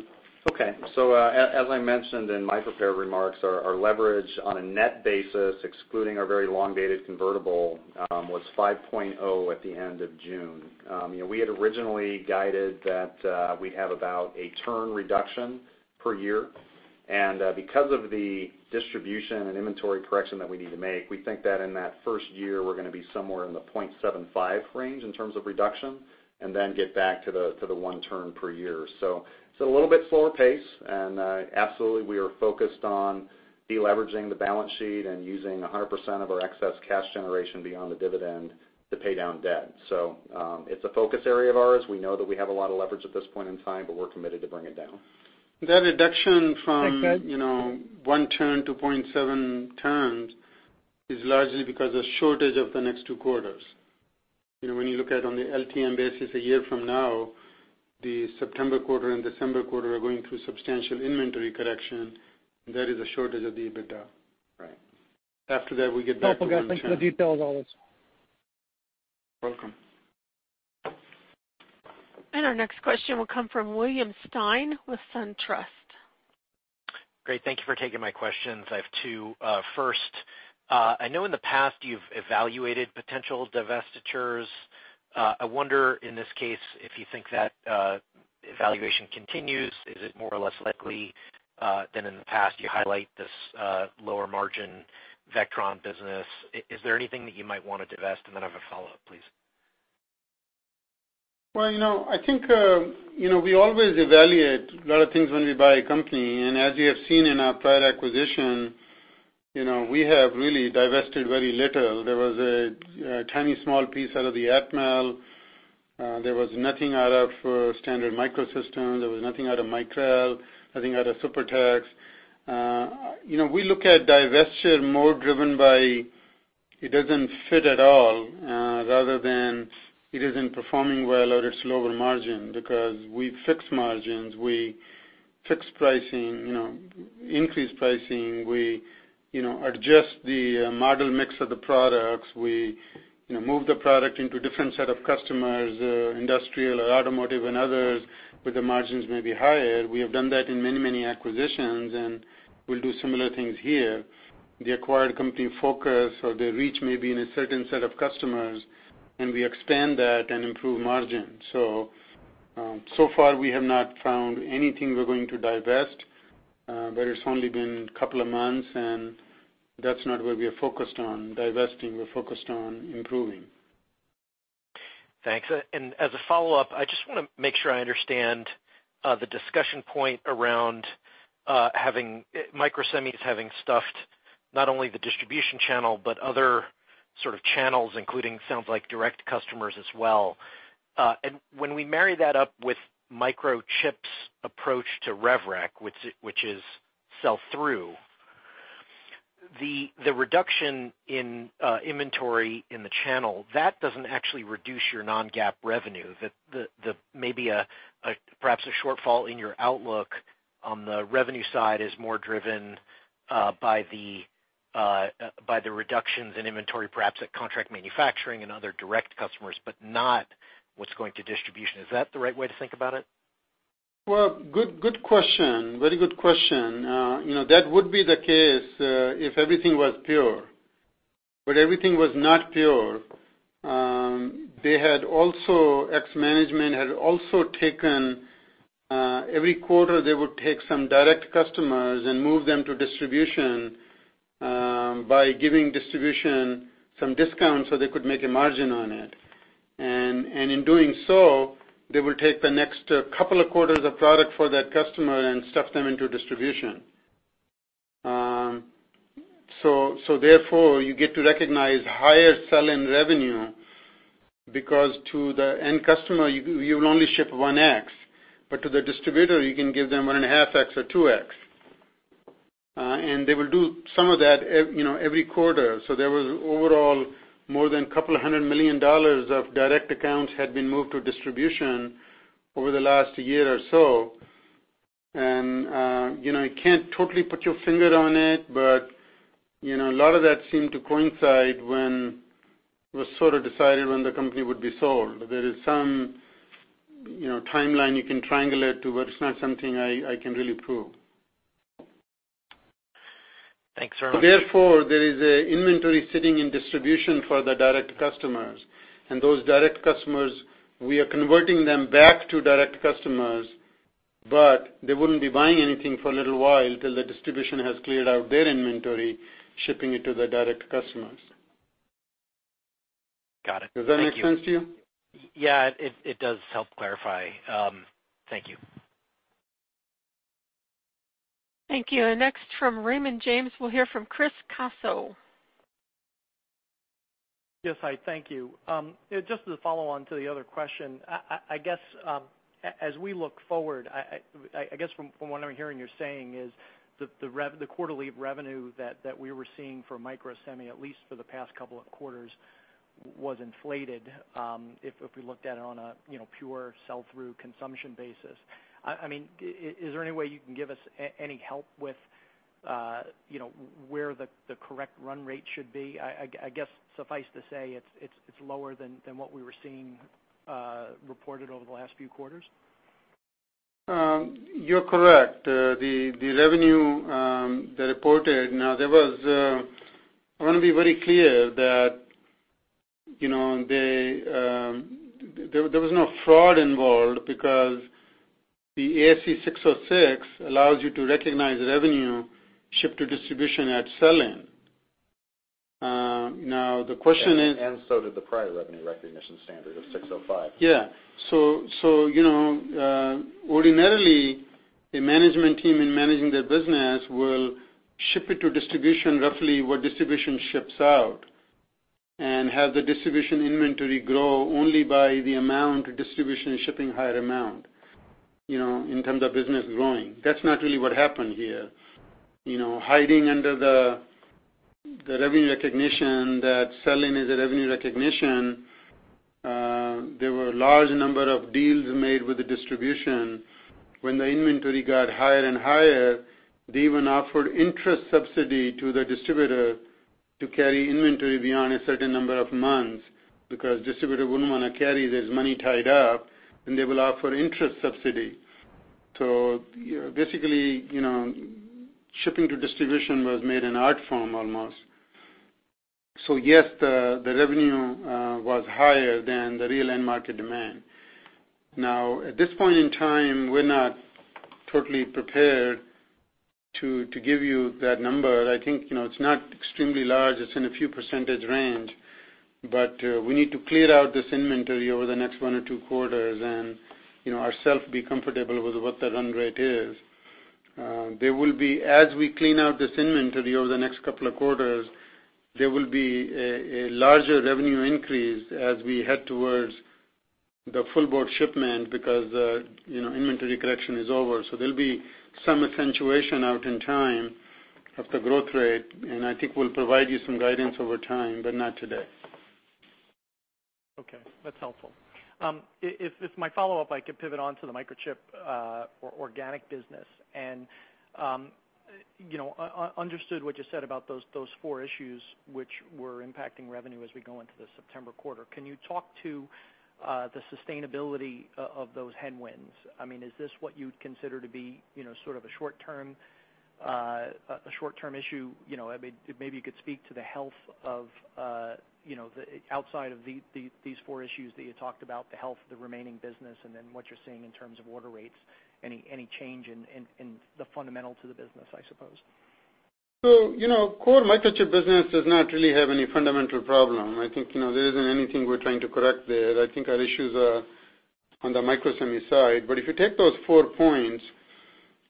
Okay. As I mentioned in my prepared remarks, our leverage on a net basis, excluding our very long-dated convertible, was 5.0 at the end of June. We had originally guided that we'd have about a turn reduction per year. Because of the distribution and inventory correction that we need to make, we think that in that first year, we're going to be somewhere in the 0.75 range in terms of reduction and then get back to the 1 turn per year. It's a little bit slower pace, and absolutely, we are focused on de-leveraging the balance sheet and using 100% of our excess cash generation beyond the dividend to pay down debt. It's a focus area of ours. We know that we have a lot of leverage at this point in time, we're committed to bring it down. That reduction from 1 turn to 0.7 turns is largely because a shortage of the next two quarters. When you look at on the LTM basis a year from now, the September quarter and December quarter are going through substantial inventory correction. That is a shortage of the EBITDA. Right. After that, we get back to one turn. Helpful, guys. Thanks for the details on this. Welcome. Our next question will come from William Stein with SunTrust. Great. Thank you for taking my questions. I have two. First, I know in the past you've evaluated potential divestitures. I wonder, in this case, if you think that evaluation continues. Is it more or less likely than in the past? You highlight this lower margin Vectron business. Is there anything that you might want to divest? Then I have a follow-up, please. Well, I think we always evaluate a lot of things when we buy a company. As you have seen in our prior acquisition, we have really divested very little. There was a tiny, small piece out of the Atmel. There was nothing out of Standard Microsystems, there was nothing out of Micrel, nothing out of Supertex. We look at divestiture more driven by it doesn't fit at all, rather than it isn't performing well or it's lower margin, because we fix margins, we fix pricing, increase pricing, we adjust the model mix of the products. We move the product into different set of customers, industrial or automotive and others, where the margins may be higher. We have done that in many, many acquisitions, and we'll do similar things here. The acquired company focus or their reach may be in a certain set of customers, and we expand that and improve margin. So far we have not found anything we're going to divest, but it's only been a couple of months, and that's not where we are focused on divesting. We're focused on improving. Thanks. As a follow-up, I just want to make sure I understand the discussion point around Microsemi having stuffed not only the distribution channel, but other sort of channels, including sounds like direct customers as well. When we marry that up with Microchip's approach to rev rec, which is sell-through, the reduction in inventory in the channel, that doesn't actually reduce your non-GAAP revenue. That maybe perhaps a shortfall in your outlook on the revenue side is more driven by the reductions in inventory, perhaps at contract manufacturing and other direct customers, not what's going to distribution. Is that the right way to think about it? Well, good question. Very good question. That would be the case, if everything was pure. Everything was not pure. Ex-management had also taken, every quarter, they would take some direct customers and move them to distribution, by giving distribution some discount so they could make a margin on it. In doing so, they would take the next couple of quarters of product for that customer and stuff them into distribution. Therefore, you get to recognize higher sell-in revenue because to the end customer, you'll only ship 1x, to the distributor, you can give them 1.5x or 2x. They will do some of that every quarter. There was overall more than couple of $100 million of direct accounts had been moved to distribution over the last year or so. You can't totally put your finger on it, but a lot of that seemed to coincide when it was sort of decided when the company would be sold. There is some timeline you can triangulate to, but it's not something I can really prove. Thanks very much. There is inventory sitting in distribution for the direct customers, and those direct customers, we are converting them back to direct customers, but they wouldn't be buying anything for a little while till the distribution has cleared out their inventory, shipping it to the direct customers. Got it. Thank you. Does that make sense to you? Yeah. It does help clarify. Thank you. Thank you. Next from Raymond James, we'll hear from Chris Caso. Yes, hi. Thank you. Just as a follow-on to the other question, I guess, as we look forward, I guess from what I'm hearing you're saying is the quarterly revenue that we were seeing for Microsemi, at least for the past couple of quarters, was inflated, if we looked at it on a pure sell-through consumption basis. Is there any way you can give us any help with where the correct run rate should be? I guess suffice to say, it's lower than what we were seeing reported over the last few quarters. You're correct. The revenue they reported. I want to be very clear that there was no fraud involved because the ASC 606 allows you to recognize revenue shipped to distribution at sell-in. Did the prior revenue recognition standard of ASC 605. Ordinarily, a management team in managing their business will ship it to distribution roughly what distribution ships out, and have the distribution inventory grow only by the amount distribution is shipping higher amount, in terms of business growing. That's not really what happened here. Hiding under the revenue recognition that sell-in is a revenue recognition, there were a large number of deals made with the distribution. When the inventory got higher and higher, they even offered interest subsidy to the distributor to carry inventory beyond a certain number of months, because distributor wouldn't want to carry this money tied up, and they will offer interest subsidy. Basically, shipping to distribution was made an art form almost. Yes, the revenue was higher than the real end market demand. At this point in time, we're not totally prepared to give you that number. I think it's not extremely large. It's in a few % range, but we need to clear out this inventory over the next one or two quarters and ourself be comfortable with what the run rate is. As we clean out this inventory over the next couple of quarters, there will be a larger revenue increase as we head towards the full board shipment, because inventory correction is over. There'll be some accentuation out in time of the growth rate, and I think we'll provide you some guidance over time, but not today. Okay, that's helpful. If my follow-up, I could pivot on to the Microchip organic business and understood what you said about those four issues which were impacting revenue as we go into the September quarter. Can you talk to the sustainability of those headwinds? Is this what you'd consider to be a short-term issue? Maybe you could speak to the health of, outside of these four issues that you talked about, the health of the remaining business, and then what you're seeing in terms of order rates, any change in the fundamentals of the business, I suppose. Core Microchip business does not really have any fundamental problem. I think there isn't anything we're trying to correct there. I think our issues are on the Microsemi side. If you take those four points,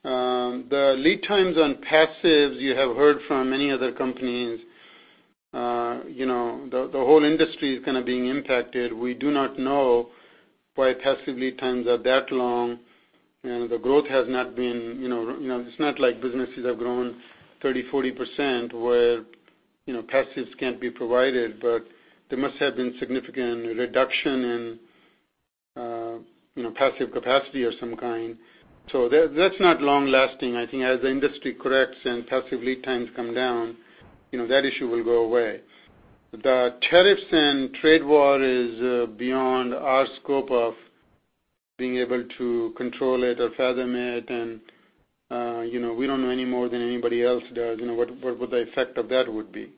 the lead times on passives, you have heard from many other companies, the whole industry is kind of being impacted. We do not know why passive lead times are that long. It's not like businesses have grown 30%, 40% where passives can't be provided, but there must have been significant reduction in passive capacity of some kind. That's not long-lasting. I think as the industry corrects and passive lead times come down, that issue will go away. The tariffs and trade war is beyond our scope of being able to control it or fathom it. We don't know any more than anybody else does, what the effect of that would be.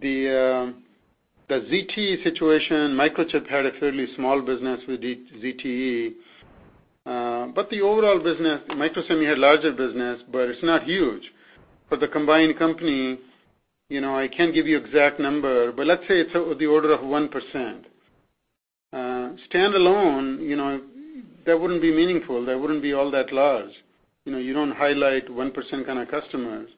The ZTE situation, Microchip had a fairly small business with ZTE. The overall business, Microsemi had larger business, but it's not huge. For the combined company, I can't give you exact number, but let's say it's the order of 1%. Standalone, that wouldn't be meaningful, that wouldn't be all that large. You don't highlight 1% kind of customers.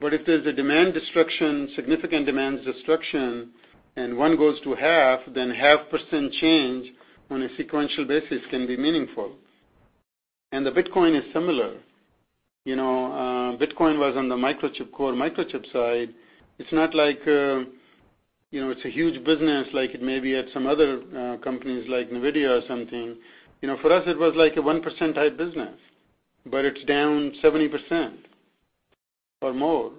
If there's a significant demand destruction and one goes to half, then half percent change on a sequential basis can be meaningful. The Bitcoin is similar. Bitcoin was on the core Microchip side. It's not like it's a huge business like it may be at some other companies like Nvidia or something. For us, it was like a 1% type business, but it's down 70% or more.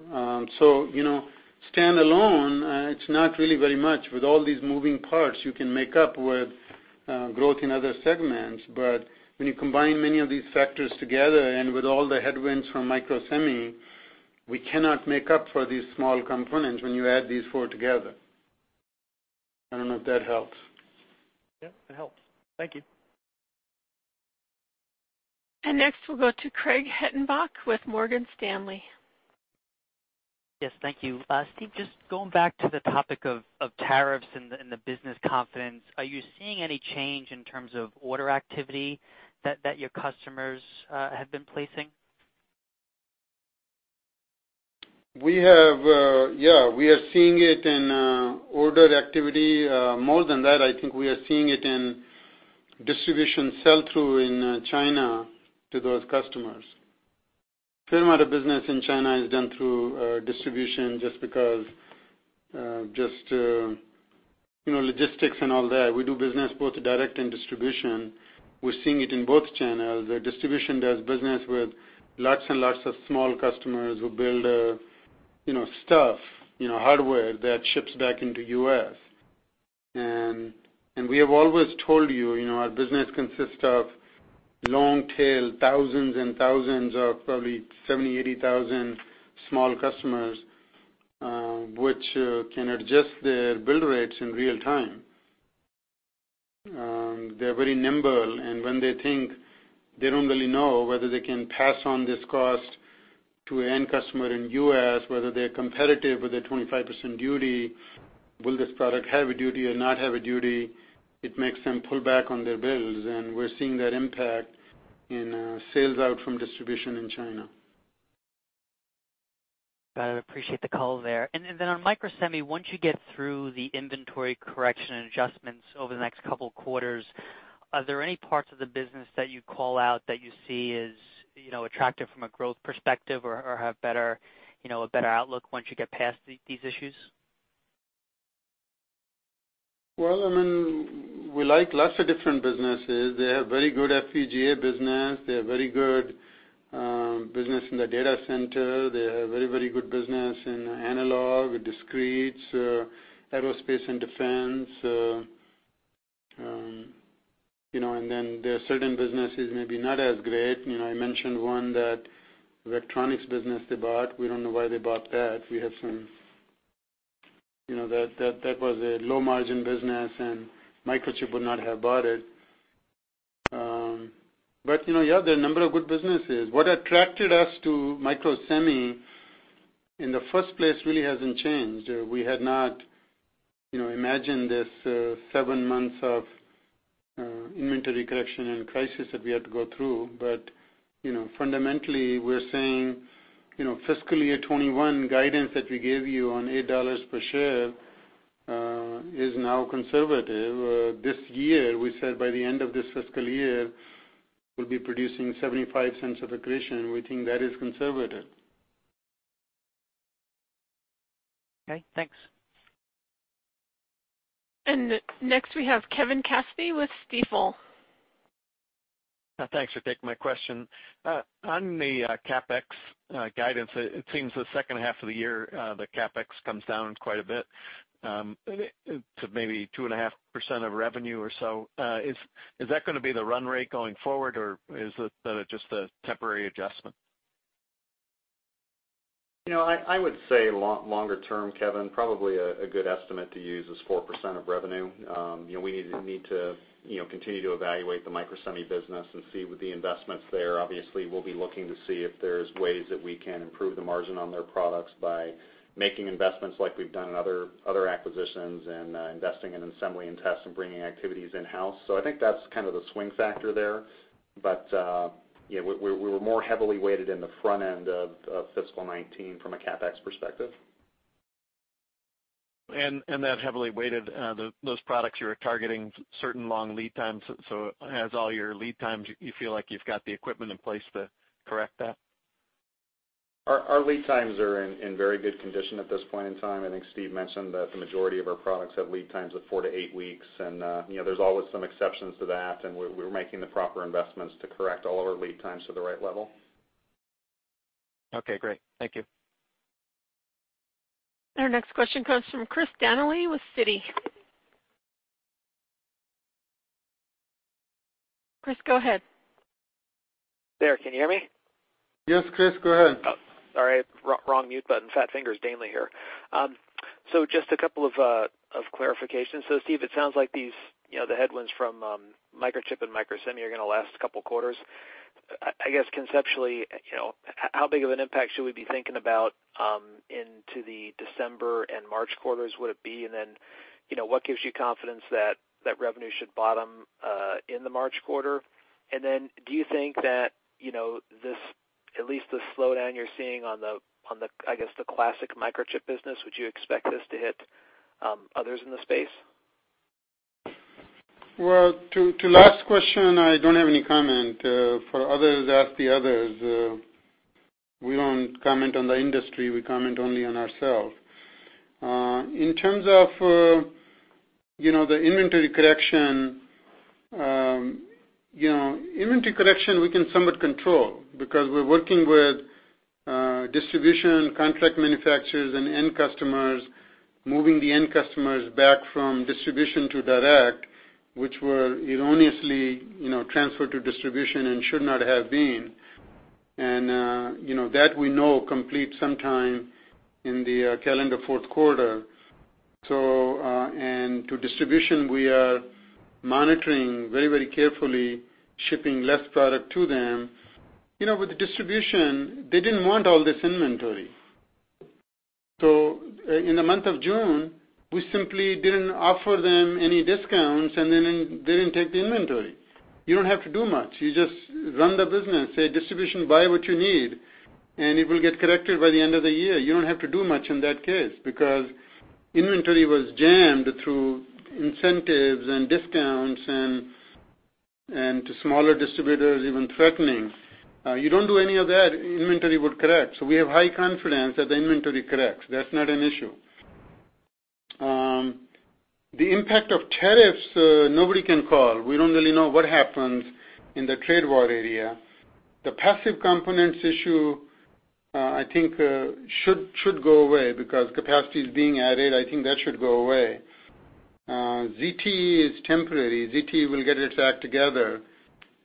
Standalone, it's not really very much. With all these moving parts, you can make up with growth in other segments. When you combine many of these factors together and with all the headwinds from Microsemi, we cannot make up for these small components when you add these four together. I don't know if that helps. Yeah, it helps. Thank you. Next we'll go to Craig Hettenbach with Morgan Stanley. Yes, thank you. Steve, just going back to the topic of tariffs and the business confidence, are you seeing any change in terms of order activity that your customers have been placing? Yeah, we are seeing it in order activity. More than that, I think we are seeing it in distribution sell-through in China to those customers. A fair amount of business in China is done through distribution just because, logistics and all that. We do business both direct and distribution. We're seeing it in both channels. The distribution does business with lots and lots of small customers who build stuff, hardware that ships back into U.S. We have always told you, our business consists of long tail, thousands and thousands of probably 70,000, 80,000 small customers, which can adjust their build rates in real time. They're very nimble, and when they think they don't really know whether they can pass on this cost to end customer in U.S., whether they're competitive with a 25% duty, will this product have a duty or not have a duty? It makes them pull back on their builds. We're seeing that impact in sales out from distribution in China. Got it. Appreciate the call there. Then on Microsemi, once you get through the inventory correction and adjustments over the next couple quarters, are there any parts of the business that you'd call out that you see as attractive from a growth perspective or have a better outlook once you get past these issues? Well, we like lots of different businesses. They have very good FPGA business. They have very good business in the data center. They have very good business in analog, discretes, aerospace and defense. Then there are certain businesses maybe not as great. I mentioned one, that electronics business they bought. We don't know why they bought that. That was a low-margin business, and Microchip would not have bought it. Yeah, there are a number of good businesses. What attracted us to Microsemi in the first place really hasn't changed. We had not imagined this seven months of inventory correction and crisis that we had to go through. Fundamentally, we're saying fiscal year 2021 guidance that we gave you on $8 per share is now conservative. This year, we said by the end of this fiscal year, we'll be producing $0.75 of accretion. We think that is conservative. Okay, thanks. Next we have Kevin Cassidy with Stifel. Thanks for taking my question. On the CapEx guidance, it seems the second half of the year, the CapEx comes down quite a bit to maybe 2.5% of revenue or so. Is that going to be the run rate going forward, or is it just a temporary adjustment? I would say longer term, Kevin, probably a good estimate to use is 4% of revenue. We need to continue to evaluate the Microsemi business and see with the investments there. Obviously, we'll be looking to see if there's ways that we can improve the margin on their products by making investments like we've done in other acquisitions and investing in assembly and tests and bringing activities in-house. I think that's kind of the swing factor there. We were more heavily weighted in the front end of fiscal 2019 from a CapEx perspective. That heavily weighted, those products you were targeting certain long lead times, as all your lead times, you feel like you've got the equipment in place to correct that? Our lead times are in very good condition at this point in time. I think Steve mentioned that the majority of our products have lead times of four to eight weeks, and there's always some exceptions to that, and we're making the proper investments to correct all of our lead times to the right level. Okay, great. Thank you. Our next question comes from Chris Danely with Citi. Chris, go ahead. There, can you hear me? Yes, Chris, go ahead. Oh, sorry. Wrong mute button. Fat fingers. Danely here. Just a couple of clarifications. Steve, it sounds like the headwinds from Microchip and Microsemi are going to last a couple of quarters. I guess conceptually, how big of an impact should we be thinking about into the December and March quarters would it be? What gives you confidence that revenue should bottom in the March quarter? Do you think that at least the slowdown you're seeing on the, I guess, the classic Microchip business, would you expect this to hit others in the space? Well, to last question, I don't have any comment. For others, ask the others. We don't comment on the industry, we comment only on ourselves. In terms of the inventory correction, we can somewhat control because we're working with distribution, contract manufacturers, and end customers, moving the end customers back from distribution to direct, which were erroneously transferred to distribution and should not have been. That we know completes sometime in the calendar fourth quarter. To distribution, we are monitoring very carefully, shipping less product to them. With the distribution, they didn't want all this inventory. In the month of June, we simply didn't offer them any discounts, and then they didn't take the inventory. You don't have to do much. You just run the business, say, "Distribution, buy what you need," and it will get corrected by the end of the year. You don't have to do much in that case, because inventory was jammed through incentives and discounts, and to smaller distributors, even threatening. You don't do any of that, inventory would correct. We have high confidence that the inventory corrects. That's not an issue. The impact of tariffs, nobody can call. We don't really know what happens in the trade war area. The passive components issue, I think should go away because capacity is being added. I think that should go away. ZTE is temporary. ZTE will get its act together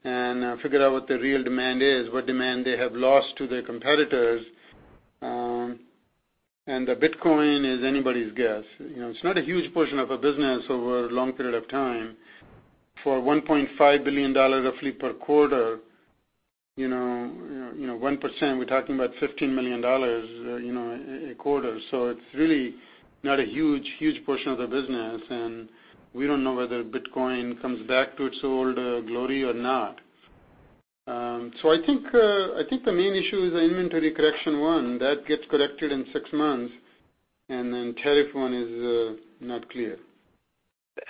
and figure out what the real demand is, what demand they have lost to their competitors. The Bitcoin is anybody's guess. It's not a huge portion of our business over a long period of time. For $1.5 billion roughly per quarter, 1%, we're talking about $15 million a quarter. It's really not a huge portion of the business, and we don't know whether Bitcoin comes back to its old glory or not. I think the main issue is the inventory correction one. That gets corrected in six months, and then tariff one is not clear.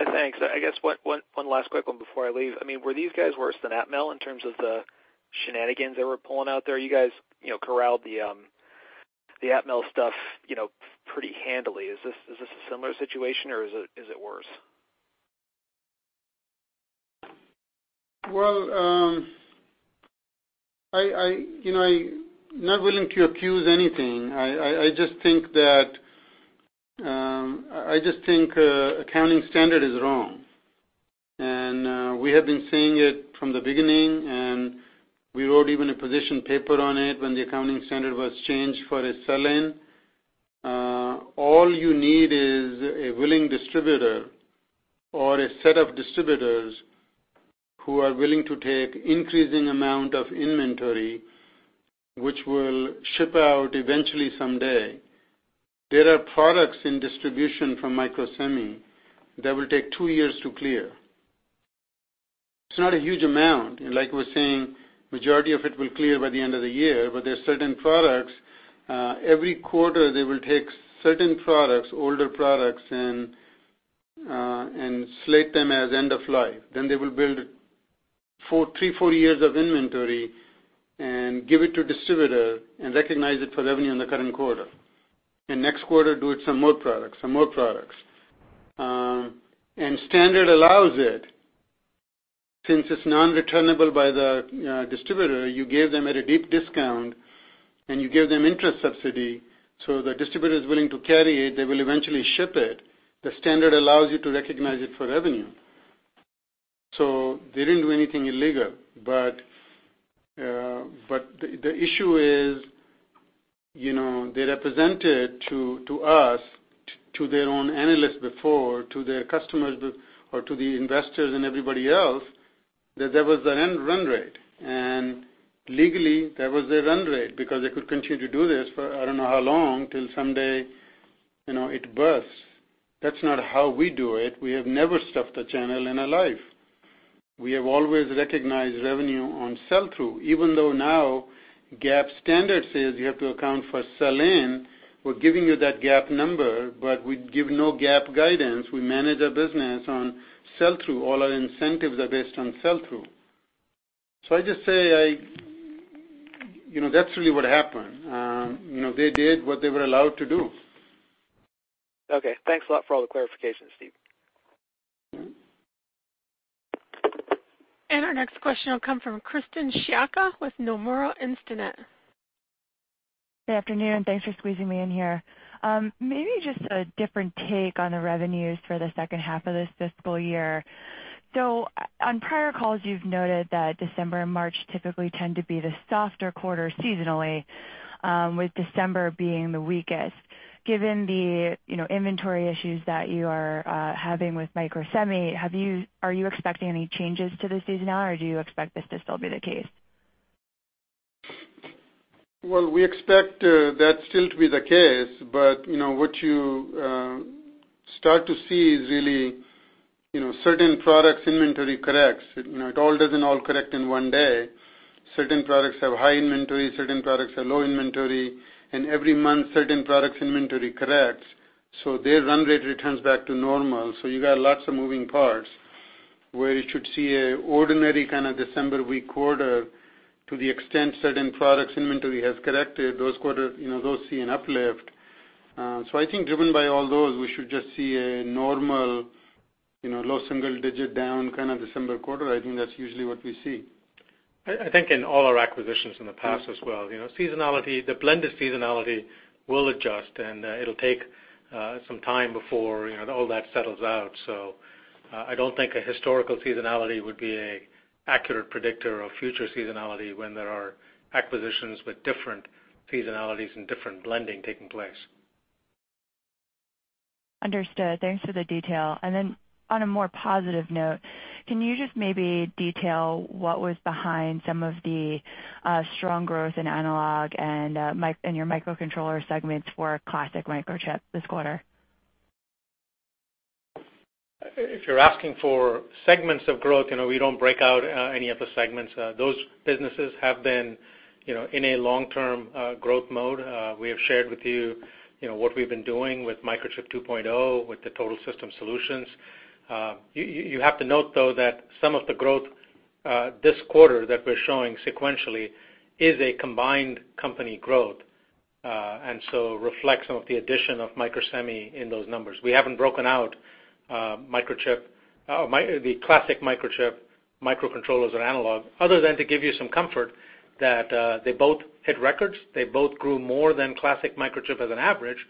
Thanks. I guess, one last quick one before I leave. Were these guys worse than Atmel in terms of the shenanigans they were pulling out there? You guys corralled the Atmel stuff pretty handily. Is this a similar situation, or is it worse? Well, I'm not willing to accuse anything. I just think accounting standard is wrong. We have been saying it from the beginning, and we wrote even a position paper on it when the accounting standard was changed for a sell-in. All you need is a willing distributor or a set of distributors who are willing to take increasing amount of inventory, which will ship out eventually someday. There are products in distribution from Microsemi that will take two years to clear. It's not a huge amount, like we're saying, majority of it will clear by the end of the year, but there are certain products, every quarter, they will take certain products, older products, and slate them as end of life. Then they will build three, four years of inventory and give it to distributor and recognize it for revenue in the current quarter. Next quarter, do it some more products. Standard allows it, since it's non-returnable by the distributor, you give them at a deep discount, and you give them interest subsidy, so the distributor is willing to carry it, they will eventually ship it. The standard allows you to recognize it for revenue. They didn't do anything illegal. The issue is, they represented to us, to their own analysts before, to their customers, or to the investors and everybody else, that there was a run rate. Legally, there was a run rate because they could continue to do this for I don't know how long, till someday, it bursts. That's not how we do it. We have never stuffed a channel in our life. We have always recognized revenue on sell-through, even though now GAAP standard says you have to account for sell-in, we're giving you that GAAP number, but we give no GAAP guidance. We manage our business on sell-through. All our incentives are based on sell-through. I just say, that's really what happened. They did what they were allowed to do. Okay. Thanks a lot for all the clarifications, Steve. Our next question will come from Krysten Sciacca with Nomura Instinet. Good afternoon. Thanks for squeezing me in here. Just a different take on the revenues for the second half of this fiscal year. On prior calls, you've noted that December and March typically tend to be the softer quarter seasonally, with December being the weakest. Given the inventory issues that you are having with Microsemi, are you expecting any changes to the seasonality, or do you expect this to still be the case? We expect that still to be the case, but what you start to see is really, certain products' inventory corrects. It all doesn't all correct in one day. Certain products have high inventory, certain products have low inventory, and every month, certain products' inventory corrects. Their run rate returns back to normal. You got lots of moving parts, where you should see an ordinary kind of December weak quarter to the extent certain products' inventory has corrected, those see an uplift. I think driven by all those, we should just see a normal low single digit down kind of December quarter. I think that's usually what we see. I think in all our acquisitions in the past as well, the blend of seasonality will adjust, and it'll take some time before all that settles out. I don't think a historical seasonality would be an accurate predictor of future seasonality when there are acquisitions with different seasonalities and different blending taking place. Understood. Thanks for the detail. On a more positive note, can you just maybe detail what was behind some of the strong growth in analog and your microcontroller segments for classic Microchip this quarter? If you're asking for segments of growth, we don't break out any of the segments. Those businesses have been in a long-term growth mode. We have shared with you what we've been doing with Microchip 2.0, with the total system solutions. You have to note, though, that some of the growth this quarter that we're showing sequentially is a combined company growth, reflects some of the addition of Microsemi in those numbers. We haven't broken out the classic Microchip microcontrollers and analog, other than to give you some comfort that they both hit records. They both grew more than classic Microchip as an average,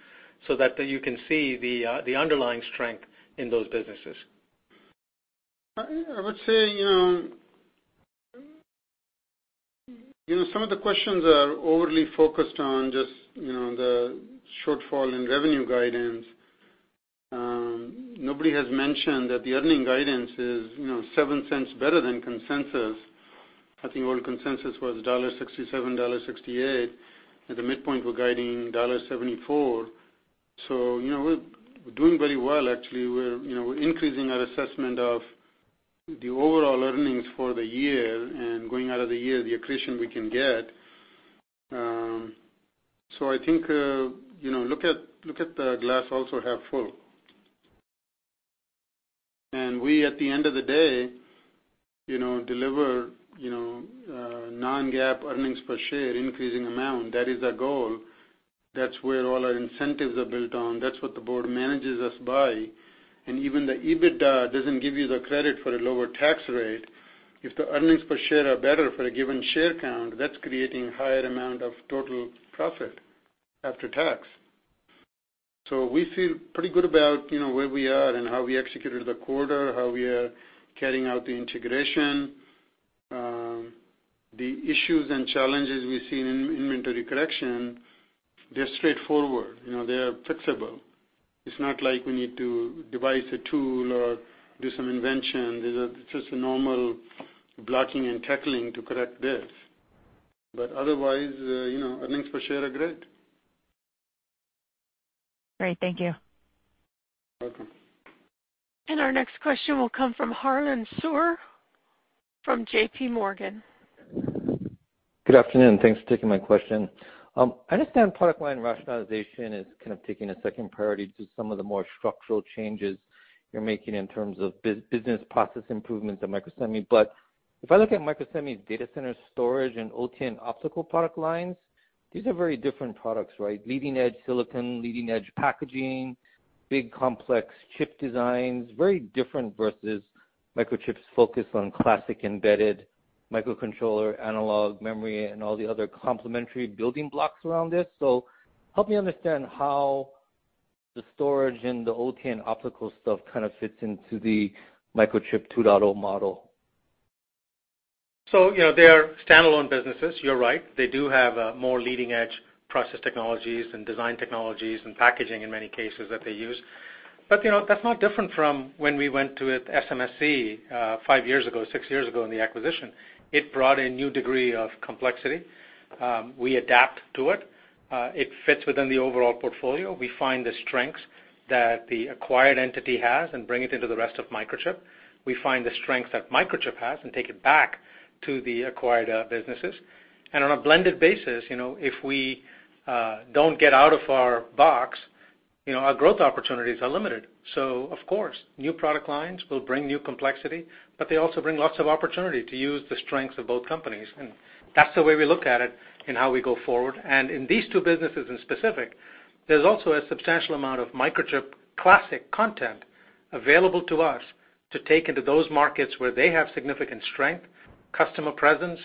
so that you can see the underlying strength in those businesses. I would say, some of the questions are overly focused on just the shortfall in revenue guidance. Nobody has mentioned that the earning guidance is $0.07 better than consensus. I think our consensus was $1.67, $1.68. At the midpoint, we're guiding $1.74. We're doing very well, actually. We're increasing our assessment of the overall earnings for the year and going out of the year, the accretion we can get. I think, look at the glass also half full. We, at the end of the day, deliver non-GAAP earnings per share, increasing amount. That is our goal. That's where all our incentives are built on. That's what the board manages us by. Even the EBITDA doesn't give you the credit for a lower tax rate. If the earnings per share are better for a given share count, that's creating higher amount of total profit after tax. We feel pretty good about where we are and how we executed the quarter, how we are carrying out the integration. The issues and challenges we see in inventory correction, they're straightforward. They are fixable. It's not like we need to devise a tool or do some invention. These are just a normal blocking and tackling to correct this. Otherwise, earnings per share are great. Great. Thank you. Welcome. Our next question will come from Harlan Sur from J.P. Morgan. Good afternoon, and thanks for taking my question. I understand product line rationalization is kind of taking a second priority to some of the more structural changes you're making in terms of business process improvements at Microsemi. If I look at Microsemi's data center storage and OTN optical product lines, these are very different products, right? Leading-edge silicon, leading-edge packaging, big complex chip designs, very different versus Microchip's focus on classic embedded microcontroller, analog, memory, and all the other complementary building blocks around this. Help me understand how the storage and the OTN optical stuff kind of fits into the Microchip 2.0 model. They are standalone businesses, you're right. They do have more leading-edge process technologies and design technologies and packaging in many cases that they use. That's no different from when we went to SMSC, five years ago, six years ago in the acquisition. It brought a new degree of complexity. We adapt to it. It fits within the overall portfolio. We find the strengths that the acquired entity has and bring it into the rest of Microchip. We find the strength that Microchip has and take it back to the acquired businesses. On a blended basis, if we don't get out of our box, our growth opportunities are limited. Of course, new product lines will bring new complexity, but they also bring lots of opportunity to use the strengths of both companies, and that's the way we look at it and how we go forward. In these two businesses in specific, there's also a substantial amount of Microchip classic content available to us to take into those markets where they have significant strength, customer presence,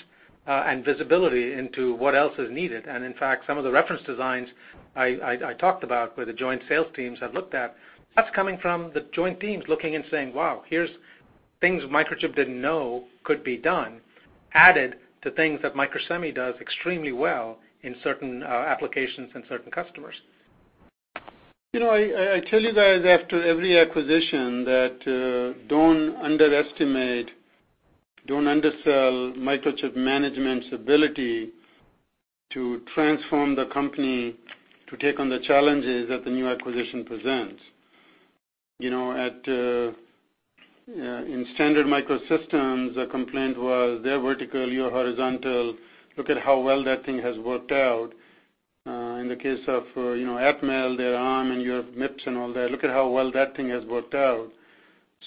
and visibility into what else is needed. In fact, some of the reference designs I talked about, where the joint sales teams have looked at, that's coming from the joint teams looking and saying, "Wow, here's things Microchip didn't know could be done," added to things that Microsemi does extremely well in certain applications and certain customers. I tell you guys after every acquisition that don't underestimate, don't undersell Microchip management's ability to transform the company to take on the challenges that the new acquisition presents. In Standard Microsystems, the complaint was they're vertical, you're horizontal. Look at how well that thing has worked out. In the case of Atmel, they're ARM, and you have MIPS and all that. Look at how well that thing has worked out.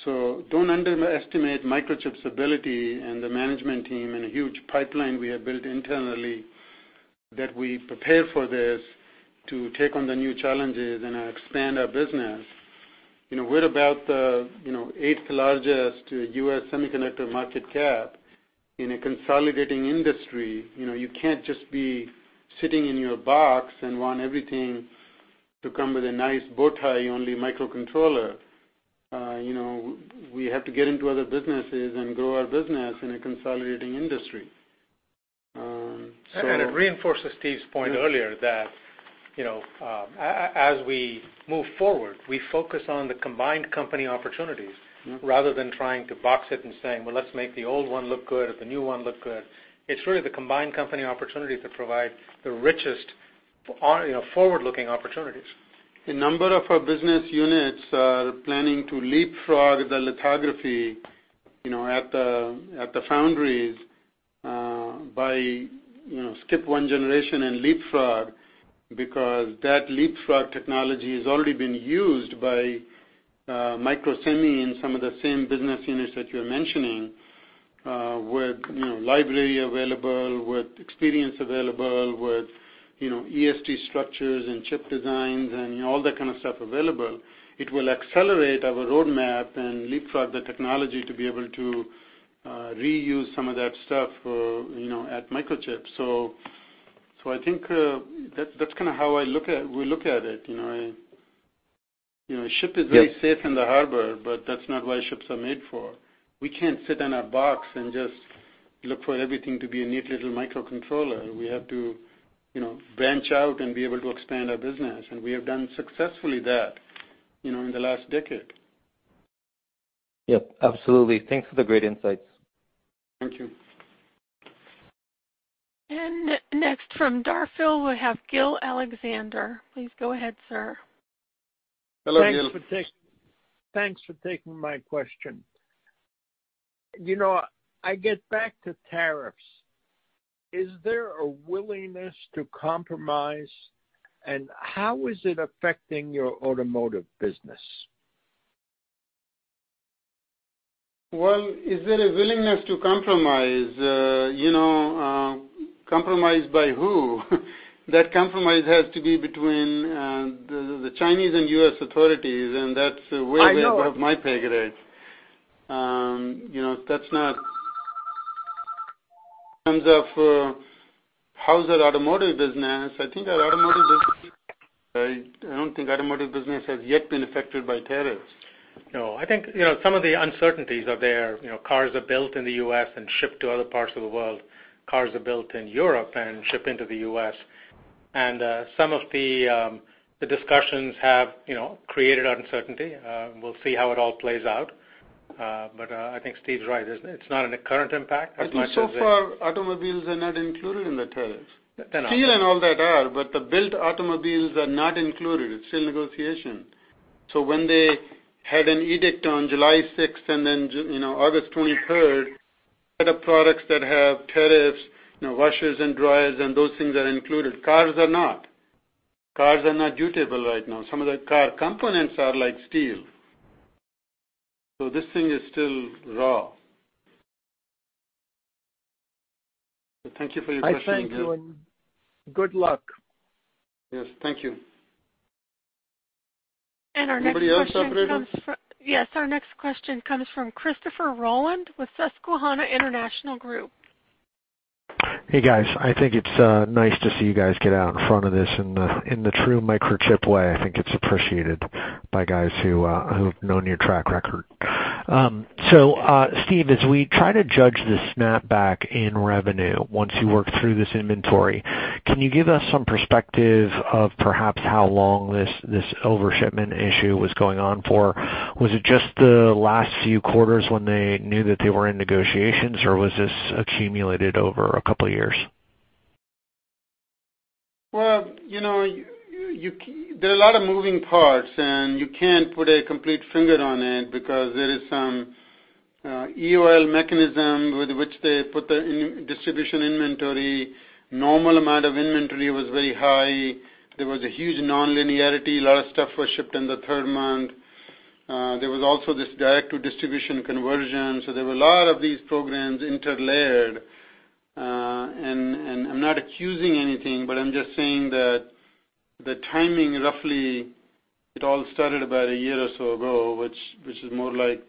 Don't underestimate Microchip's ability and the management team and a huge pipeline we have built internally, that we prepare for this to take on the new challenges and expand our business. We're about the eighth-largest U.S. semiconductor market cap in a consolidating industry. You can't just be sitting in your box and want everything to come with a nice bow tie on the microcontroller. We have to get into other businesses and grow our business in a consolidating industry. It reinforces Steve's point earlier that as we move forward, we focus on the combined company opportunities rather than trying to box it and saying, "Well, let's make the old one look good or the new one look good." It's really the combined company opportunity to provide the richest forward-looking opportunities. A number of our business units are planning to leapfrog the lithography at the foundries by skip one generation and leapfrog because that leapfrog technology has already been used by Microsemi in some of the same business units that you're mentioning with library available, with experience available, with ESD structures and chip designs and all that kind of stuff available. It will accelerate our roadmap and leapfrog the technology to be able to reuse some of that stuff at Microchip. I think that's kind of how we look at it. A ship is very safe in the harbor, but that's not why ships are made for. We can't sit in a box and just look for everything to be a neat little microcontroller. We have to branch out and be able to expand our business, and we have done successfully that in the last decade. Yep, absolutely. Thanks for the great insights. Thank you. Next from Darphil, we have Gil Alexandre. Please go ahead, sir. Hello, Gil. Thanks for taking my question. I get back to tariffs. Is there a willingness to compromise, and how is it affecting your automotive business? Well, is there a willingness to compromise? Compromise by who? That compromise has to be between the Chinese and U.S. authorities, that's way above my pay grade. In terms of how's our automotive business, I don't think automotive business has yet been affected by tariffs. No, I think some of the uncertainties are there. Cars are built in the U.S. and shipped to other parts of the world. Cars are built in Europe and shipped into the U.S. Some of the discussions have created uncertainty. We'll see how it all plays out. I think Steve's right. So far, automobiles are not included in the tariffs. They're not. Steel and all that are, but the built automobiles are not included. It's still negotiation. When they had an edict on July 6th and then August 23rd, set of products that have tariffs, washers and dryers, and those things are included, cars are not. Cars are not dutiable right now. Some of the car components are like steel. This thing is still raw. Thank you for your question again. I thank you, and good luck. Yes. Thank you. Our next question comes from- Anybody else, operators? Yes. Our next question comes from Christopher Rolland with Susquehanna International Group. Hey, guys. I think it's nice to see you guys get out in front of this in the true Microchip way. I think it's appreciated by guys who've known your track record. Steve, as we try to judge the snapback in revenue, once you work through this inventory, can you give us some perspective of perhaps how long this overshipment issue was going on for? Was it just the last few quarters when they knew that they were in negotiations, or was this accumulated over a couple of years? Well, there are a lot of moving parts, and you can't put a complete finger on it because there is some EOL mechanism with which they put the distribution inventory. Normal amount of inventory was very high. There was a huge nonlinearity. A lot of stuff was shipped in the third month. There was also this direct-to-distribution conversion. There were a lot of these programs interlayered. I'm not accusing anything, but I'm just saying that the timing, roughly, it all started about a year or so ago, which is more like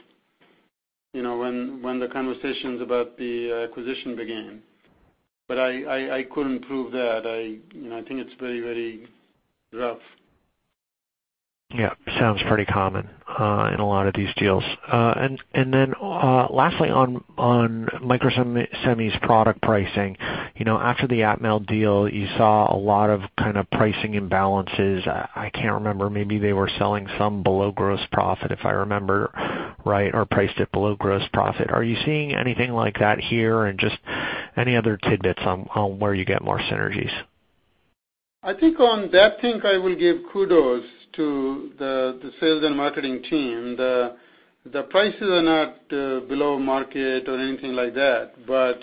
when the conversations about the acquisition began. I couldn't prove that. I think it's very rough. Yeah. Sounds pretty common in a lot of these deals. Lastly, on Microsemi's product pricing, after the Atmel deal, you saw a lot of kind of pricing imbalances. I can't remember, maybe they were selling some below gross profit, if I remember right, or priced it below gross profit. Are you seeing anything like that here? Just any other tidbits on where you get more synergies. I think on that thing, I will give kudos to the sales and marketing team. The prices are not below market or anything like that, but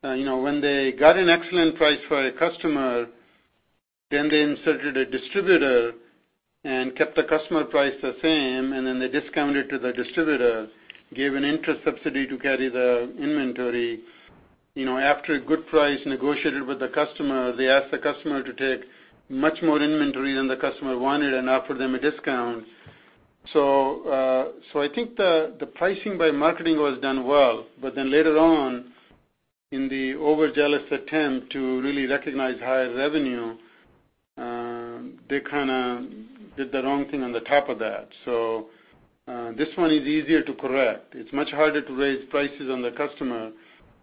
when they got an excellent price for a customer, then they inserted a distributor and kept the customer price the same, and then they discounted to the distributor, gave an interest subsidy to carry the inventory. After a good price negotiated with the customer, they asked the customer to take much more inventory than the customer wanted and offered them a discount. I think the pricing by marketing was done well, but then later on, in the overzealous attempt to really recognize higher revenue, they kind of did the wrong thing on the top of that. This one is easier to correct. It's much harder to raise prices on the customer.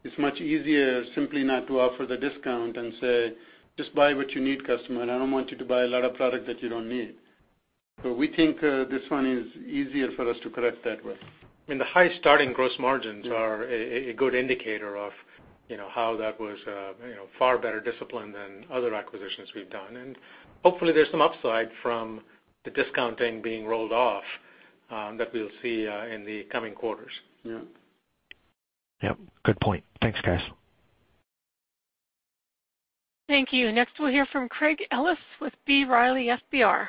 It's much easier simply not to offer the discount and say, "Just buy what you need, customer. I don't want you to buy a lot of product that you don't need." We think this one is easier for us to correct that way. The high starting gross margins are a good indicator of how that was far better discipline than other acquisitions we've done. Hopefully there's some upside from the discounting being rolled off that we'll see in the coming quarters. Yeah. Yep. Good point. Thanks, guys. Thank you. Next, we'll hear from Craig Ellis with B. Riley FBR.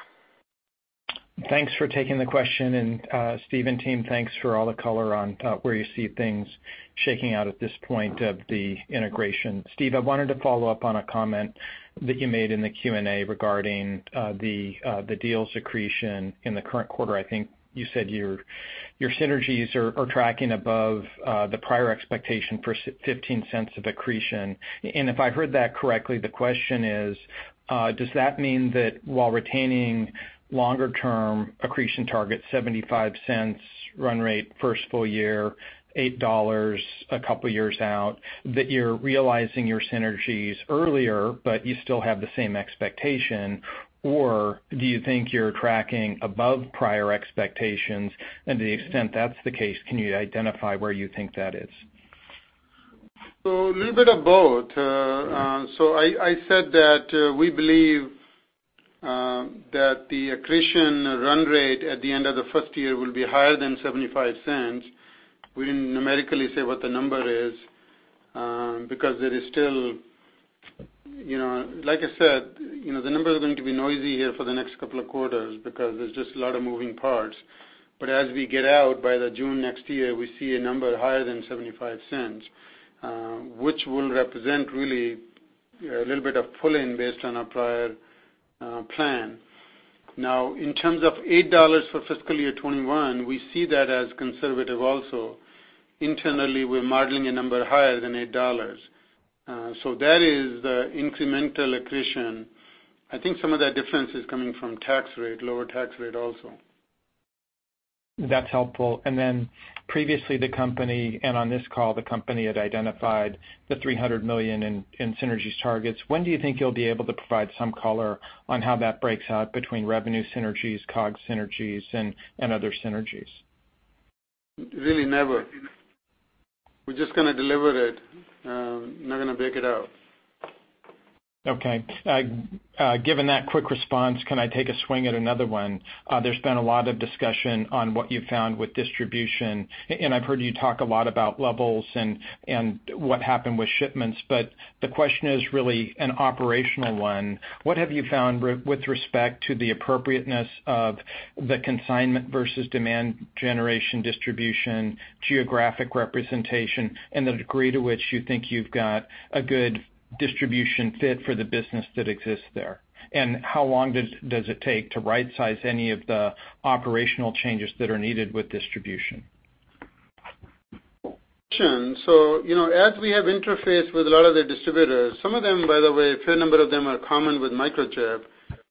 Thanks for taking the question, Steve and team, thanks for all the color on where you see things shaking out at this point of the integration. Steve, I wanted to follow up on a comment that you made in the Q&A regarding the deal's accretion in the current quarter. I think you said your synergies are tracking above the prior expectation for $0.15 of accretion. If I've heard that correctly, the question is, does that mean that while retaining longer-term accretion target $0.75 run rate first full year, $8 a couple of years out, that you're realizing your synergies earlier, but you still have the same expectation? Or do you think you're tracking above prior expectations? To the extent that's the case, can you identify where you think that is? A little bit of both. I said that we believe that the accretion run rate at the end of the first year will be higher than $0.75. We didn't numerically say what the number is, because there is still, like I said, the numbers are going to be noisy here for the next couple of quarters because there's just a lot of moving parts. As we get out by June next year, we see a number higher than $0.75, which will represent really a little bit of pull-in based on our prior plan. In terms of $8 for fiscal year 2021, we see that as conservative also. Internally, we're modeling a number higher than $8. That is the incremental accretion. I think some of that difference is coming from tax rate, lower tax rate also. That's helpful. Previously the company, and on this call, the company had identified the $300 million in synergies targets. When do you think you'll be able to provide some color on how that breaks out between revenue synergies, COGS synergies, and other synergies? Really, never. We're just going to deliver it, not going to break it out. Okay. Given that quick response, can I take a swing at another one? There's been a lot of discussion on what you found with distribution, and I've heard you talk a lot about levels and what happened with shipments, but the question is really an operational one. What have you found with respect to the appropriateness of the consignment versus demand generation distribution, geographic representation, and the degree to which you think you've got a good distribution fit for the business that exists there? How long does it take to right-size any of the operational changes that are needed with distribution? Sure. As we have interfaced with a lot of the distributors, some of them, by the way, a fair number of them are common with Microchip.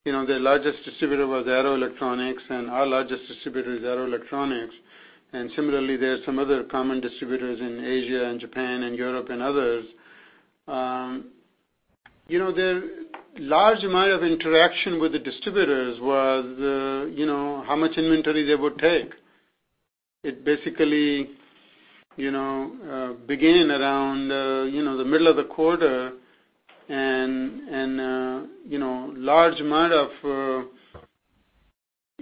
Their largest distributor was Arrow Electronics, and our largest distributor is Arrow Electronics. Similarly, there are some other common distributors in Asia and Japan and Europe and others. The large amount of interaction with the distributors was, how much inventory they would take. It basically began around the middle of the quarter, and large amount of,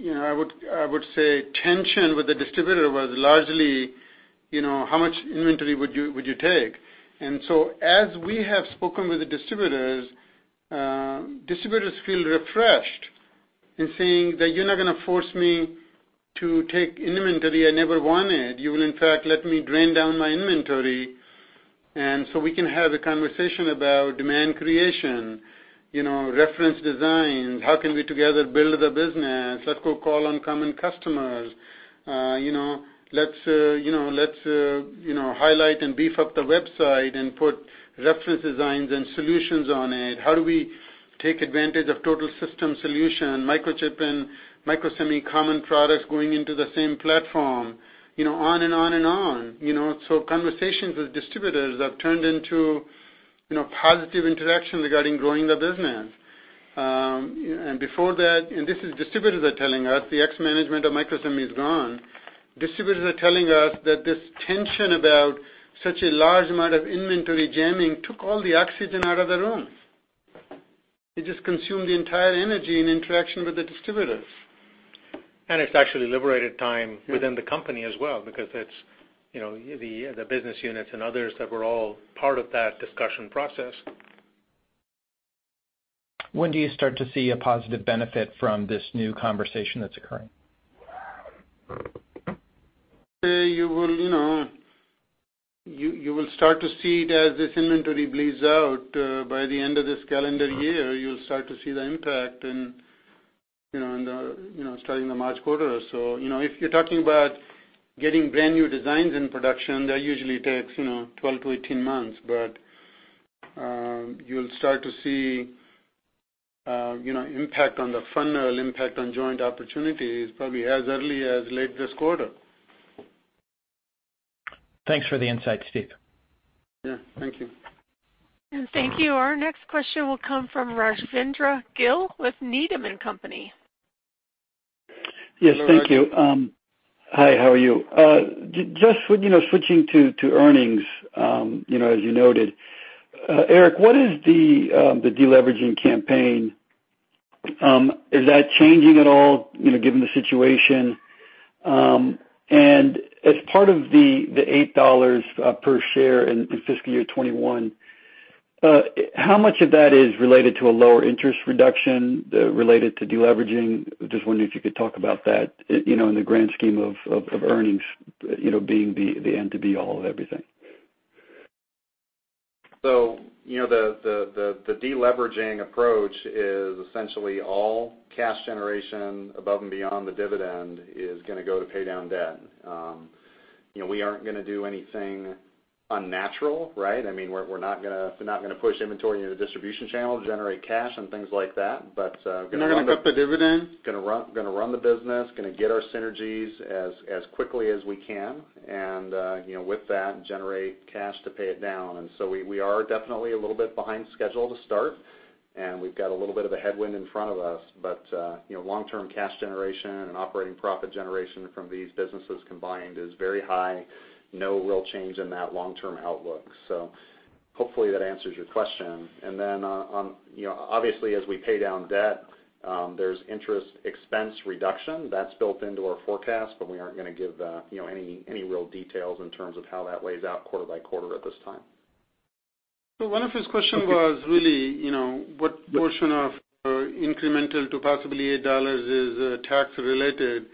I would say, tension with the distributor was largely, how much inventory would you take? As we have spoken with the distributors feel refreshed in saying that you're not going to force me to take inventory I never wanted. You will, in fact, let me drain down my inventory, and so we can have a conversation about demand creation, reference design, how can we together build the business? Let's go call on common customers. Let's highlight and beef up the website and put reference designs and solutions on it. How do we take advantage of total system solution, Microchip and Microsemi common products going into the same platform? On and on. Conversations with distributors have turned into positive interaction regarding growing the business. Before that, and this is distributors are telling us, the ex-management of Microsemi is gone. Distributors are telling us that this tension about such a large amount of inventory jamming took all the oxygen out of the room. It just consumed the entire energy and interaction with the distributors. It's actually liberated time within the company as well because the business units and others that were all part of that discussion process. When do you start to see a positive benefit from this new conversation that's occurring? You will start to see it as this inventory bleeds out. By the end of this calendar year, you'll start to see the impact starting the March quarter or so. If you're talking about getting brand-new designs in production, that usually takes 12 to 18 months. You'll start to see impact on the funnel, impact on joint opportunities probably as early as late this quarter. Thanks for the insight, Steve. Yeah. Thank you. Thank you. Our next question will come from Rajvindra Gill with Needham & Company. Yes. Thank you. Hello, Raj. Hi, how are you? Just switching to earnings, as you noted. Eric, what is the deleveraging campaign? Is that changing at all, given the situation? As part of the $8 per share in fiscal year 2021, how much of that is related to a lower interest reduction related to deleveraging? Just wondering if you could talk about that, in the grand scheme of earnings, being the end to be all of everything. The deleveraging approach is essentially all cash generation above and beyond the dividend is going to go to pay down debt. We aren't going to do anything unnatural. We're not going to push inventory into the distribution channel to generate cash and things like that. We're not going to cut the dividend. We're going to run the business, going to get our synergies as quickly as we can, with that, generate cash to pay it down. We are definitely a little bit behind schedule to start, and we've got a little bit of a headwind in front of us. Long-term cash generation and operating profit generation from these businesses combined is very high. No real change in that long-term outlook. Hopefully that answers your question. Then, obviously as we pay down debt, there's interest expense reduction that's built into our forecast, but we aren't going to give any real details in terms of how that lays out quarter by quarter at this time. One of his question was really, what portion of incremental to possibly $8 is tax related.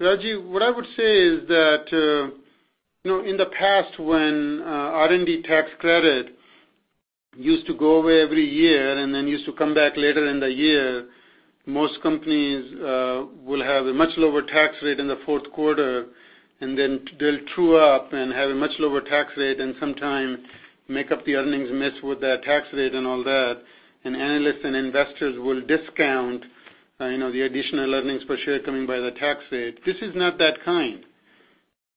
Raji, what I would say is that, in the past when R&D tax credit used to go away every year and then used to come back later in the year. Most companies will have a much lower tax rate in the fourth quarter, and then they'll true up and have a much lower tax rate and sometime make up the earnings missed with that tax rate and all that, and analysts and investors will discount the additional earnings per share coming by the tax rate. This is not that kind.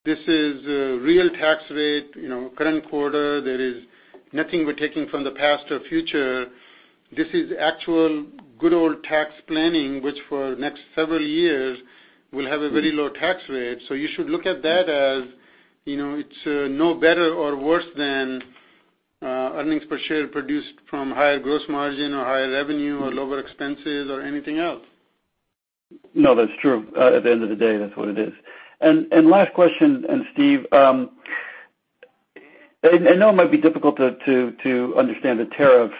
This is a real tax rate, current quarter. There is nothing we're taking from the past or future. This is actual good old tax planning, which for next several years will have a very low tax rate. You should look at that as, it's no better or worse than earnings per share produced from higher gross margin or higher revenue or lower expenses or anything else. No, that's true. At the end of the day, that's what it is. Last question, Steve, I know it might be difficult to understand the tariff,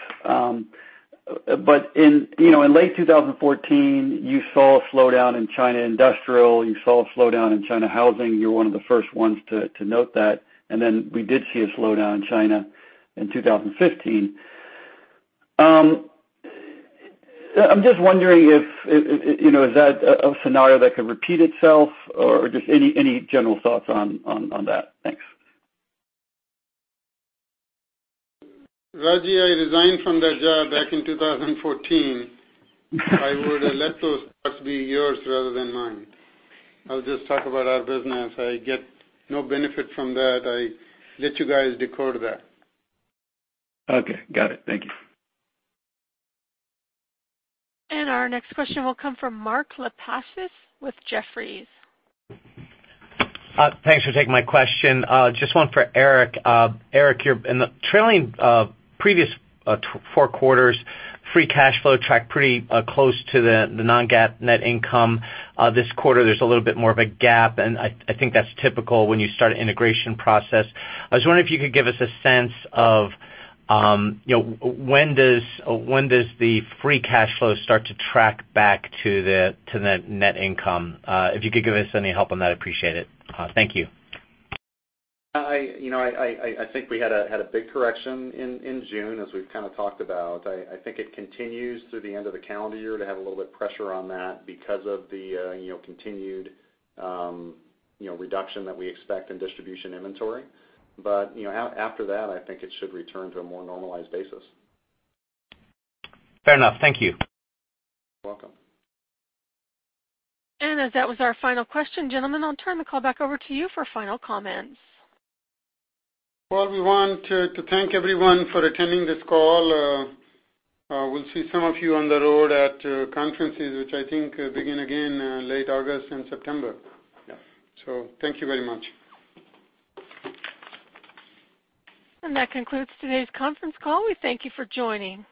but in late 2014, you saw a slowdown in China industrial, you saw a slowdown in China housing. You're one of the first ones to note that, we did see a slowdown in China in 2015. I'm just wondering if, is that a scenario that could repeat itself or just any general thoughts on that? Thanks. Raji, I resigned from that job back in 2014. I would let those thoughts be yours rather than mine. I'll just talk about our business. I get no benefit from that. I let you guys decode that. Okay, got it. Thank you. Our next question will come from Mark Lipacis with Jefferies. Thanks for taking my question. Just one for Eric. Eric, in the trailing previous four quarters, free cash flow tracked pretty close to the non-GAAP net income. This quarter, there's a little bit more of a gap, and I think that's typical when you start an integration process. I was wondering if you could give us a sense of when does the free cash flow start to track back to the net income? If you could give us any help on that, I'd appreciate it. Thank you. I think we had a big correction in June, as we've kind of talked about. I think it continues through the end of the calendar year to have a little bit pressure on that because of the continued reduction that we expect in distribution inventory. After that, I think it should return to a more normalized basis. Fair enough. Thank you. Welcome. As that was our final question, gentlemen, I'll turn the call back over to you for final comments. Well, we want to thank everyone for attending this call. We'll see some of you on the road at conferences, which I think begin again late August and September. Yeah. Thank you very much. That concludes today's conference call. We thank you for joining.